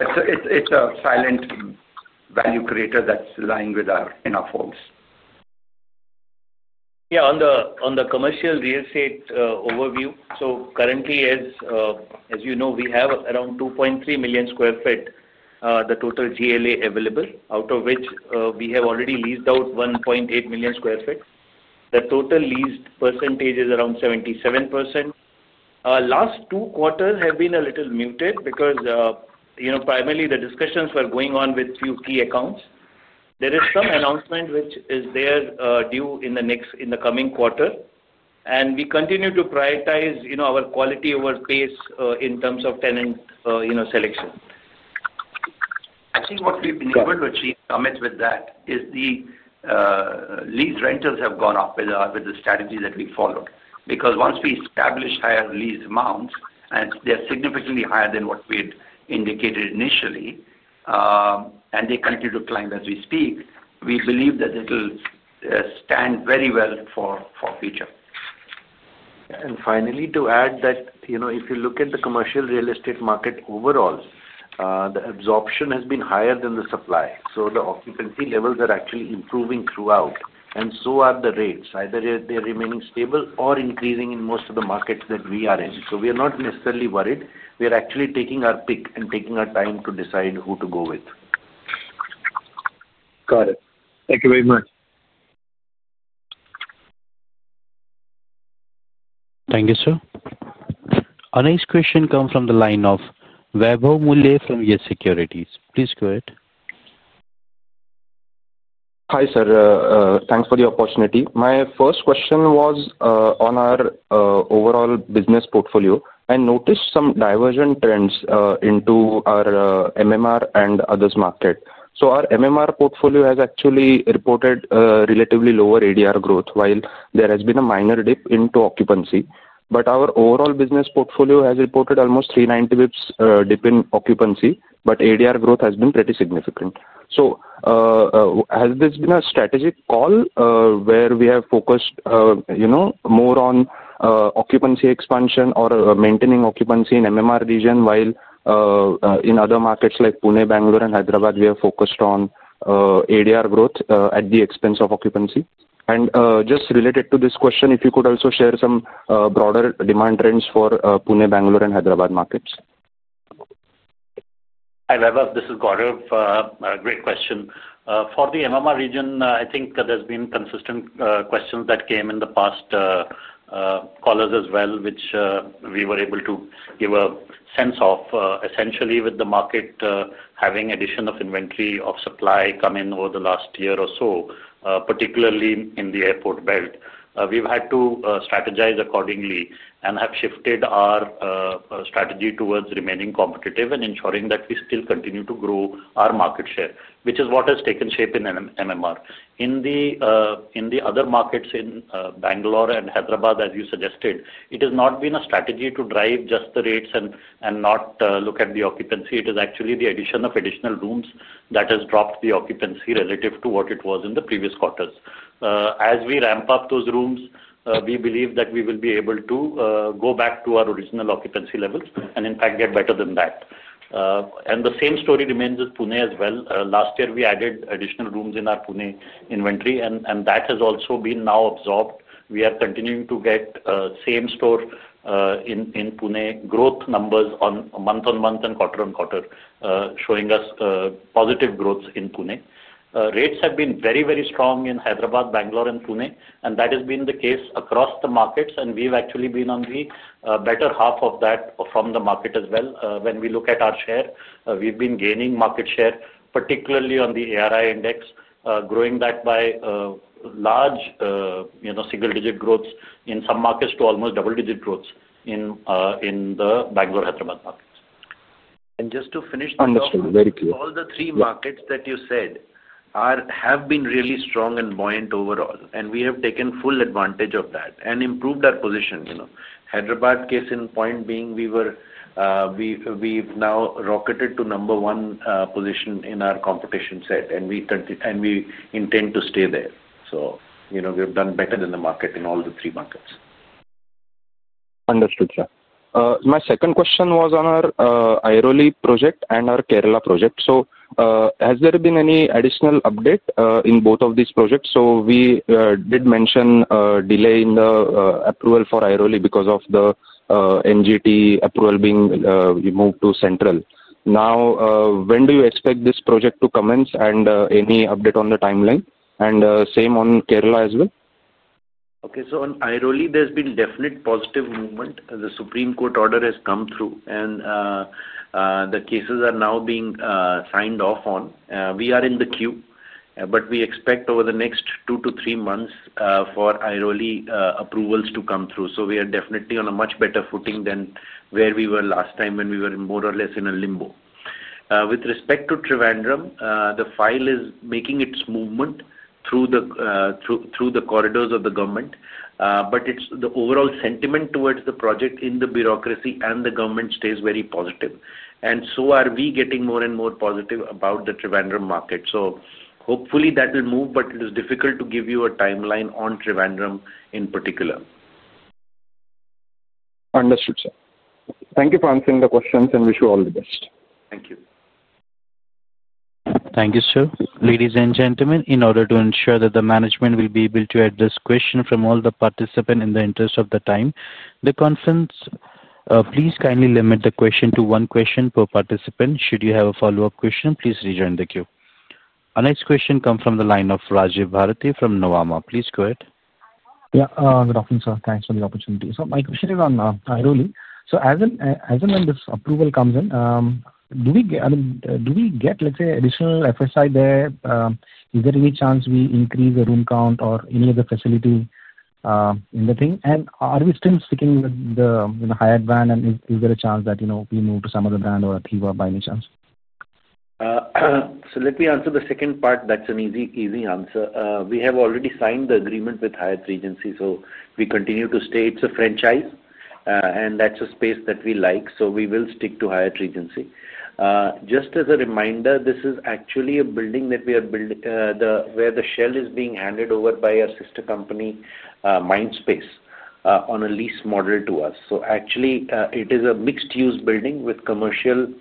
It's a silent value creator that's lying in our folds. Yeah. On the commercial real estate overview, so currently, as you know, we have around 2.3 million sq ft, the total GLA available, out of which we have already leased out 1.8 million sq ft. The total leased percentage is around 77%. Last two quarters have been a little muted because primarily the discussions were going on with a few key accounts. There is some announcement which is there due in the coming quarter. We continue to prioritize our quality over pace in terms of tenant selection. I think what we have been able to achieve, Sumit, with that is the lease rentals have gone up with the strategy that we followed. Because once we establish higher lease amounts, and they are significantly higher than what we had indicated initially, and they continue to climb as we speak, we believe that it will stand very well for future. Finally, to add that if you look at the commercial real estate market overall, the absorption has been higher than the supply. The occupancy levels are actually improving throughout, and so are the rates. Either they are remaining stable or increasing in most of the markets that we are in. We are not necessarily worried. We are actually taking our pick and taking our time to decide who to go with. Got it. Thank you very much. Thank you, sir. Our next question comes from the line of Vaibhav Mulay from YES SECURITIES. Please go ahead. Hi, sir. Thanks for the opportunity. My first question was on our overall business portfolio. I noticed some divergent trends into our MMR and others market. Our MMR portfolio has actually reported relatively lower ADR growth, while there has been a minor dip into occupancy. Our overall business portfolio has reported almost 390 basis points dip in occupancy, but ADR growth has been pretty significant. Has this been a strategic call where we have focused more on occupancy expansion or maintaining occupancy in MMR region, while in other markets like Pune, Bengaluru, and Hyderabad, we have focused on ADR growth at the expense of occupancy? Just related to this question, if you could also share some broader demand trends for Pune, Bengaluru, and Hyderabad markets. Hi, Vaibhav. This is Gaurav. Great question. For the MMR region, I think there have been consistent questions that came in the past callers as well, which we were able to give a sense of. Essentially, with the market having addition of inventory of supply come in over the last year or so, particularly in the airport belt, we have had to strategize accordingly and have shifted our strategy towards remaining competitive and ensuring that we still continue to grow our market share, which is what has taken shape in MMR. In the other markets in Bengaluru and Hyderabad, as you suggested, it has not been a strategy to drive just the rates and not look at the occupancy. It is actually the addition of additional rooms that has dropped the occupancy relative to what it was in the previous quarters. As we ramp up those rooms, we believe that we will be able to go back to our original occupancy levels and, in fact, get better than that. The same story remains with Pune as well. Last year, we added additional rooms in our Pune inventory, and that has also been now absorbed. We are continuing to get same-store in Pune growth numbers on month-on-month and quarter-on-quarter, showing us positive growth in Pune. Rates have been very, very strong in Hyderabad, Bengaluru, and Pune, and that has been the case across the markets. We have actually been on the better half of that from the market as well. When we look at our share, we have been gaining market share, particularly on the ARI index, growing that by large. Single-digit growths in some markets to almost double-digit growths in the Bengaluru-Hyderabad markets. Just to finish the question. Understood. Very clear. All the three markets that you said have been really strong and buoyant overall, and we have taken full advantage of that and improved our position. Hyderabad, case in point being, we have now rocketed to number one position in our competition set, and we intend to stay there. We have done better than the market in all the three markets. Understood, sir. My second question was on our Airoli project and our Kerala project. Has there been any additional update in both of these projects? We did mention a delay in the approval for Airoli because of the NGT approval being moved to central. Now, when do you expect this project to commence and any update on the timeline? Same on Kerala as well? Okay. On Airoli, there has been definite positive movement. The Supreme Court order has come through, and the cases are now being signed off on. We are in the queue, but we expect over the next two to three months for Airoli approvals to come through. We are definitely on a much better footing than where we were last time when we were more or less in a limbo. With respect to Trivandrum, the file is making its movement through the corridors of the government. The overall sentiment towards the project in the bureaucracy and the government stays very positive. We are getting more and more positive about the Trivandrum market. Hopefully that will move, but it is difficult to give you a timeline on Trivandrum in particular. Understood, sir. Thank you for answering the questions, and wish you all the best. Thank you. Thank you, sir. Ladies and gentlemen, in order to ensure that the management will be able to address questions from all the participants in the interest of the time, the conference, please kindly limit the question to one question per participant. Should you have a follow-up question, please rejoin the queue. Our next question comes from the line of Rajiv Bharati from Nuvama. Please go ahead. Yeah. Good afternoon, sir. Thanks for the opportunity. My question is on Airoli. As and when this approval comes in, do we get, let's say, additional FSI there? Is there any chance we increase the room count or any other facility. In the thing? And are we still sticking with the Hyatt brand, and is there a chance that we move to some other brand or ATHIVA by any chance? Let me answer the second part. That's an easy answer. We have already signed the agreement with Hyatt Regency, so we continue to stay. It's a franchise, and that's a space that we like, so we will stick to Hyatt Regency. Just as a reminder, this is actually a building that we are, where the shell is being handed over by our sister company, Mindspace, on a lease model to us. Actually, it is a mixed-use building with commercial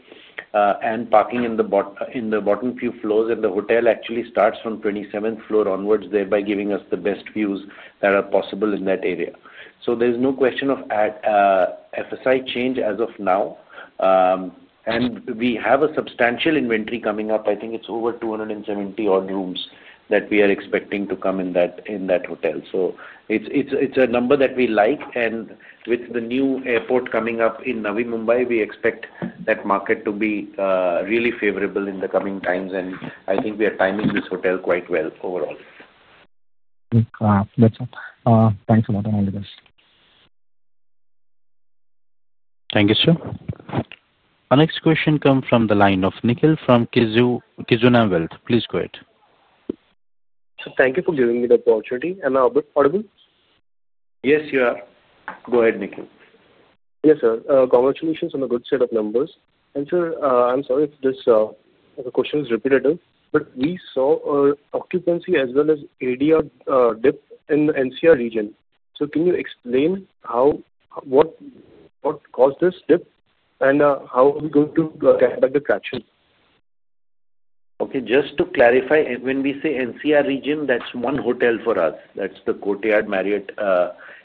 and parking in the bottom few floors, and the hotel actually starts from 27th floor onwards, thereby giving us the best views that are possible in that area. There's no question of FSI change as of now, and we have a substantial inventory coming up. I think it's over 270 odd rooms that we are expecting to come in that hotel. It's a number that we like, and with the new airport coming up in Navi Mumbai, we expect that market to be really favorable in the coming times. I think we are timing this hotel quite well overall. That's all. Thanks a lot, and all the best. Thank you, sir. Our next question comes from the line of Nikhil from Kizuna Wealth. Please go ahead. Thank you for giving me the opportunity. Am I audible? Yes, you are. Go ahead, Nikhil. Yes, sir. Congratulations on a good set of numbers. Sir, I'm sorry if this question is repetitive, but we saw occupancy as well as ADR dip in the NCR region. Can you explain what caused this dip and how we go to attract attraction? Just to clarify, when we say NCR region, that's one hotel for us. That's the Courtyard by Marriott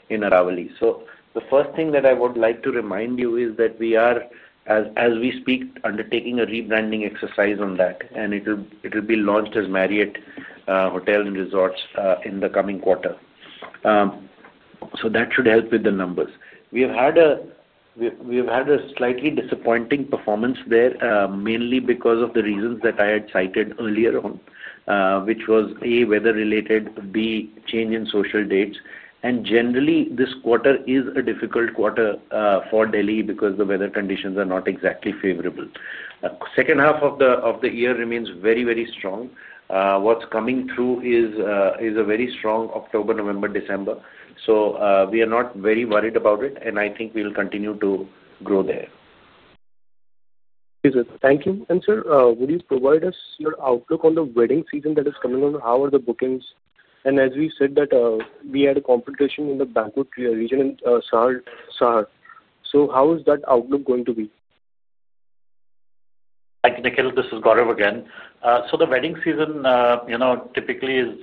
in Aravalli. The first thing that I would like to remind you is that we are, as we speak, undertaking a rebranding exercise on that, and it will be launched as Marriott Hotel and Resorts in the coming quarter. That should help with the numbers. We have had a slightly disappointing performance there, mainly because of the reasons that I had cited earlier on, which was, A, weather-related, B, change in social dates. Generally, this quarter is a difficult quarter for Delhi because the weather conditions are not exactly favorable. The second half of the year remains very, very strong. What's coming through is a very strong October, November, December. We are not very worried about it, and I think we will continue to grow there. Thank you. Sir, would you provide us your outlook on the wedding season that is coming on? How are the bookings? As we said, we had a competition in the Bengaluru region in Sahar. How is that outlook going to be? Nikhil, this is Gaurav again. So the wedding season typically is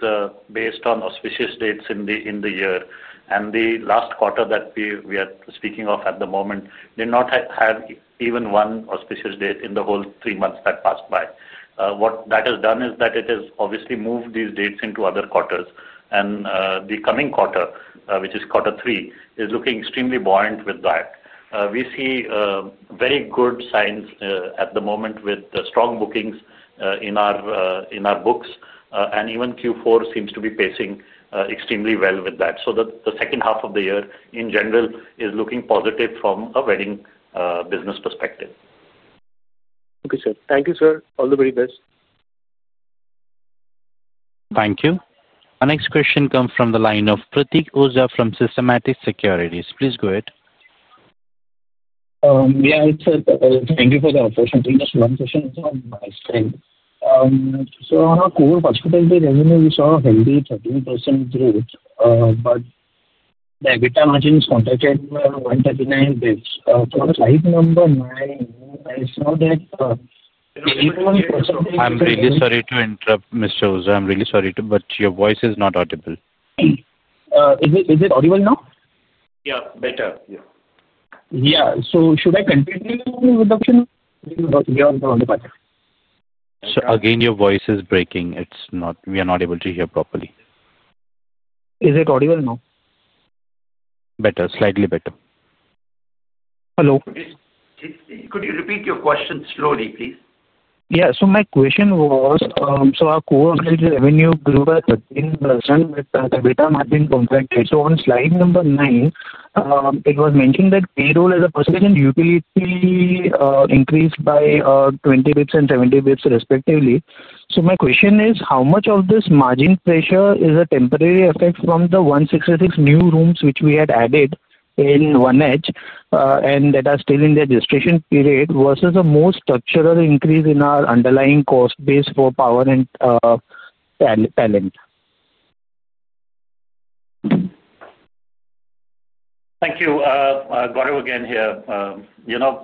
based on auspicious dates in the year. The last quarter that we are speaking of at the moment did not have even one auspicious date in the whole three months that passed by. What that has done is that it has obviously moved these dates into other quarters. The coming quarter, which is quarter three, is looking extremely buoyant with that. We see very good signs at the moment with strong bookings in our books, and even Q4 seems to be pacing extremely well with that. The second half of the year, in general, is looking positive from a wedding business perspective. Okay, sir. Thank you, sir. All the very best. Thank you. Our next question comes from the line of Pratik Oza from Systematix Securities. Please go ahead. Yeah, thank you for the opportunity. Just one question on my screen. On our core participant revenue, we saw a healthy 13% growth, but the EBITDA margin has contracted by 139 basis points. For the client number nine, I saw that. I'm really sorry to interrupt, Mr. Oza. I'm really sorry, but your voice is not audible. Is it audible now? Yeah, better. Yeah. Should I continue with the question? We are on the back. Again, your voice is breaking. We are not able to hear properly. Is it audible now? Better. Slightly better. Hello? Could you repeat your question slowly, please? Yeah. My question was, our core revenue grew by 13% with EBITDA margin contracted. On slide number nine, it was mentioned that payroll as a percentage utility increased by 20 basis points and 70 basis points respectively. My question is, how much of this margin pressure is a temporary effect from the 166 new rooms which we had added in OneEdge and that are still in their gestation period versus a more structural increase in our underlying cost base for power and talent? Thank you. Gaurav again here.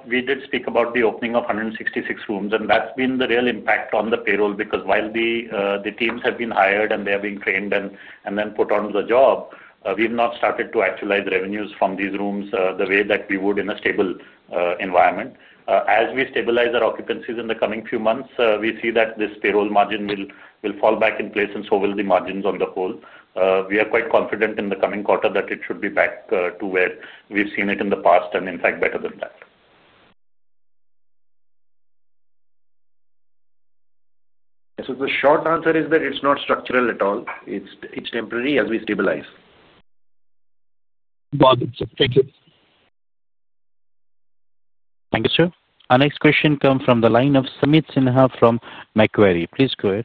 We did speak about the opening of 166 rooms, and that's been the real impact on the payroll because while the teams have been hired and they are being trained and then put on the job, we have not started to actualize revenues from these rooms the way that we would in a stable environment. As we stabilize our occupancies in the coming few months, we see that this payroll margin will fall back in place, and so will the margins on the whole. We are quite confident in the coming quarter that it should be back to where we've seen it in the past and, in fact, better than that. The short answer is that it's not structural at all. It's temporary as we stabilize. Thank you. Thank you, sir. Our next question comes from the line of Sumit Sinha from Macquarie. Please go ahead.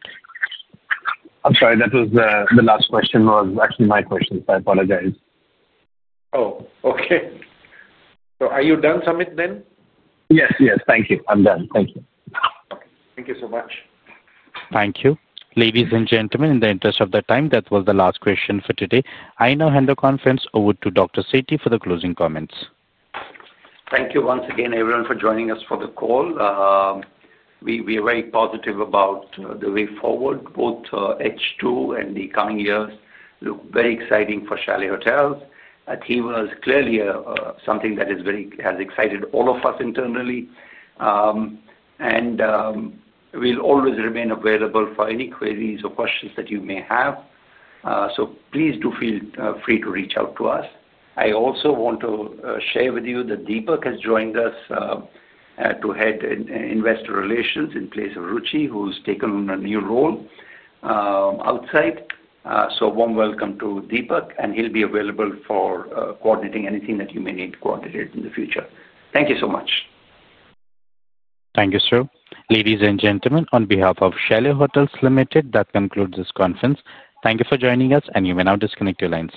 I'm sorry. The last question was actually my question. I apologize. Oh, okay. Are you done, Sumit, then? Yes, yes. Thank you. I'm done. Thank you. Thank you so much. Thank you. Ladies and gentlemen, in the interest of the time, that was the last question for today. I now hand the conference over to Dr. Sethi for the closing comments. Thank you once again, everyone, for joining us for the call. We are very positive about the way forward. Both H2 and the coming years look very exciting for Chalet Hotels. ATHIVA is clearly something that has excited all of us internally. We will always remain available for any queries or questions that you may have. Please do feel free to reach out to us. I also want to share with you that Deepak has joined us to head investor relations in place of Ruchi, who's taken on a new role outside. A warm welcome to Deepak, and he'll be available for coordinating anything that you may need to coordinate in the future. Thank you so much. Thank you, sir. Ladies and gentlemen, on behalf of Chalet Hotels Limited, that concludes this conference. Thank you for joining us, and you may now disconnect your lines.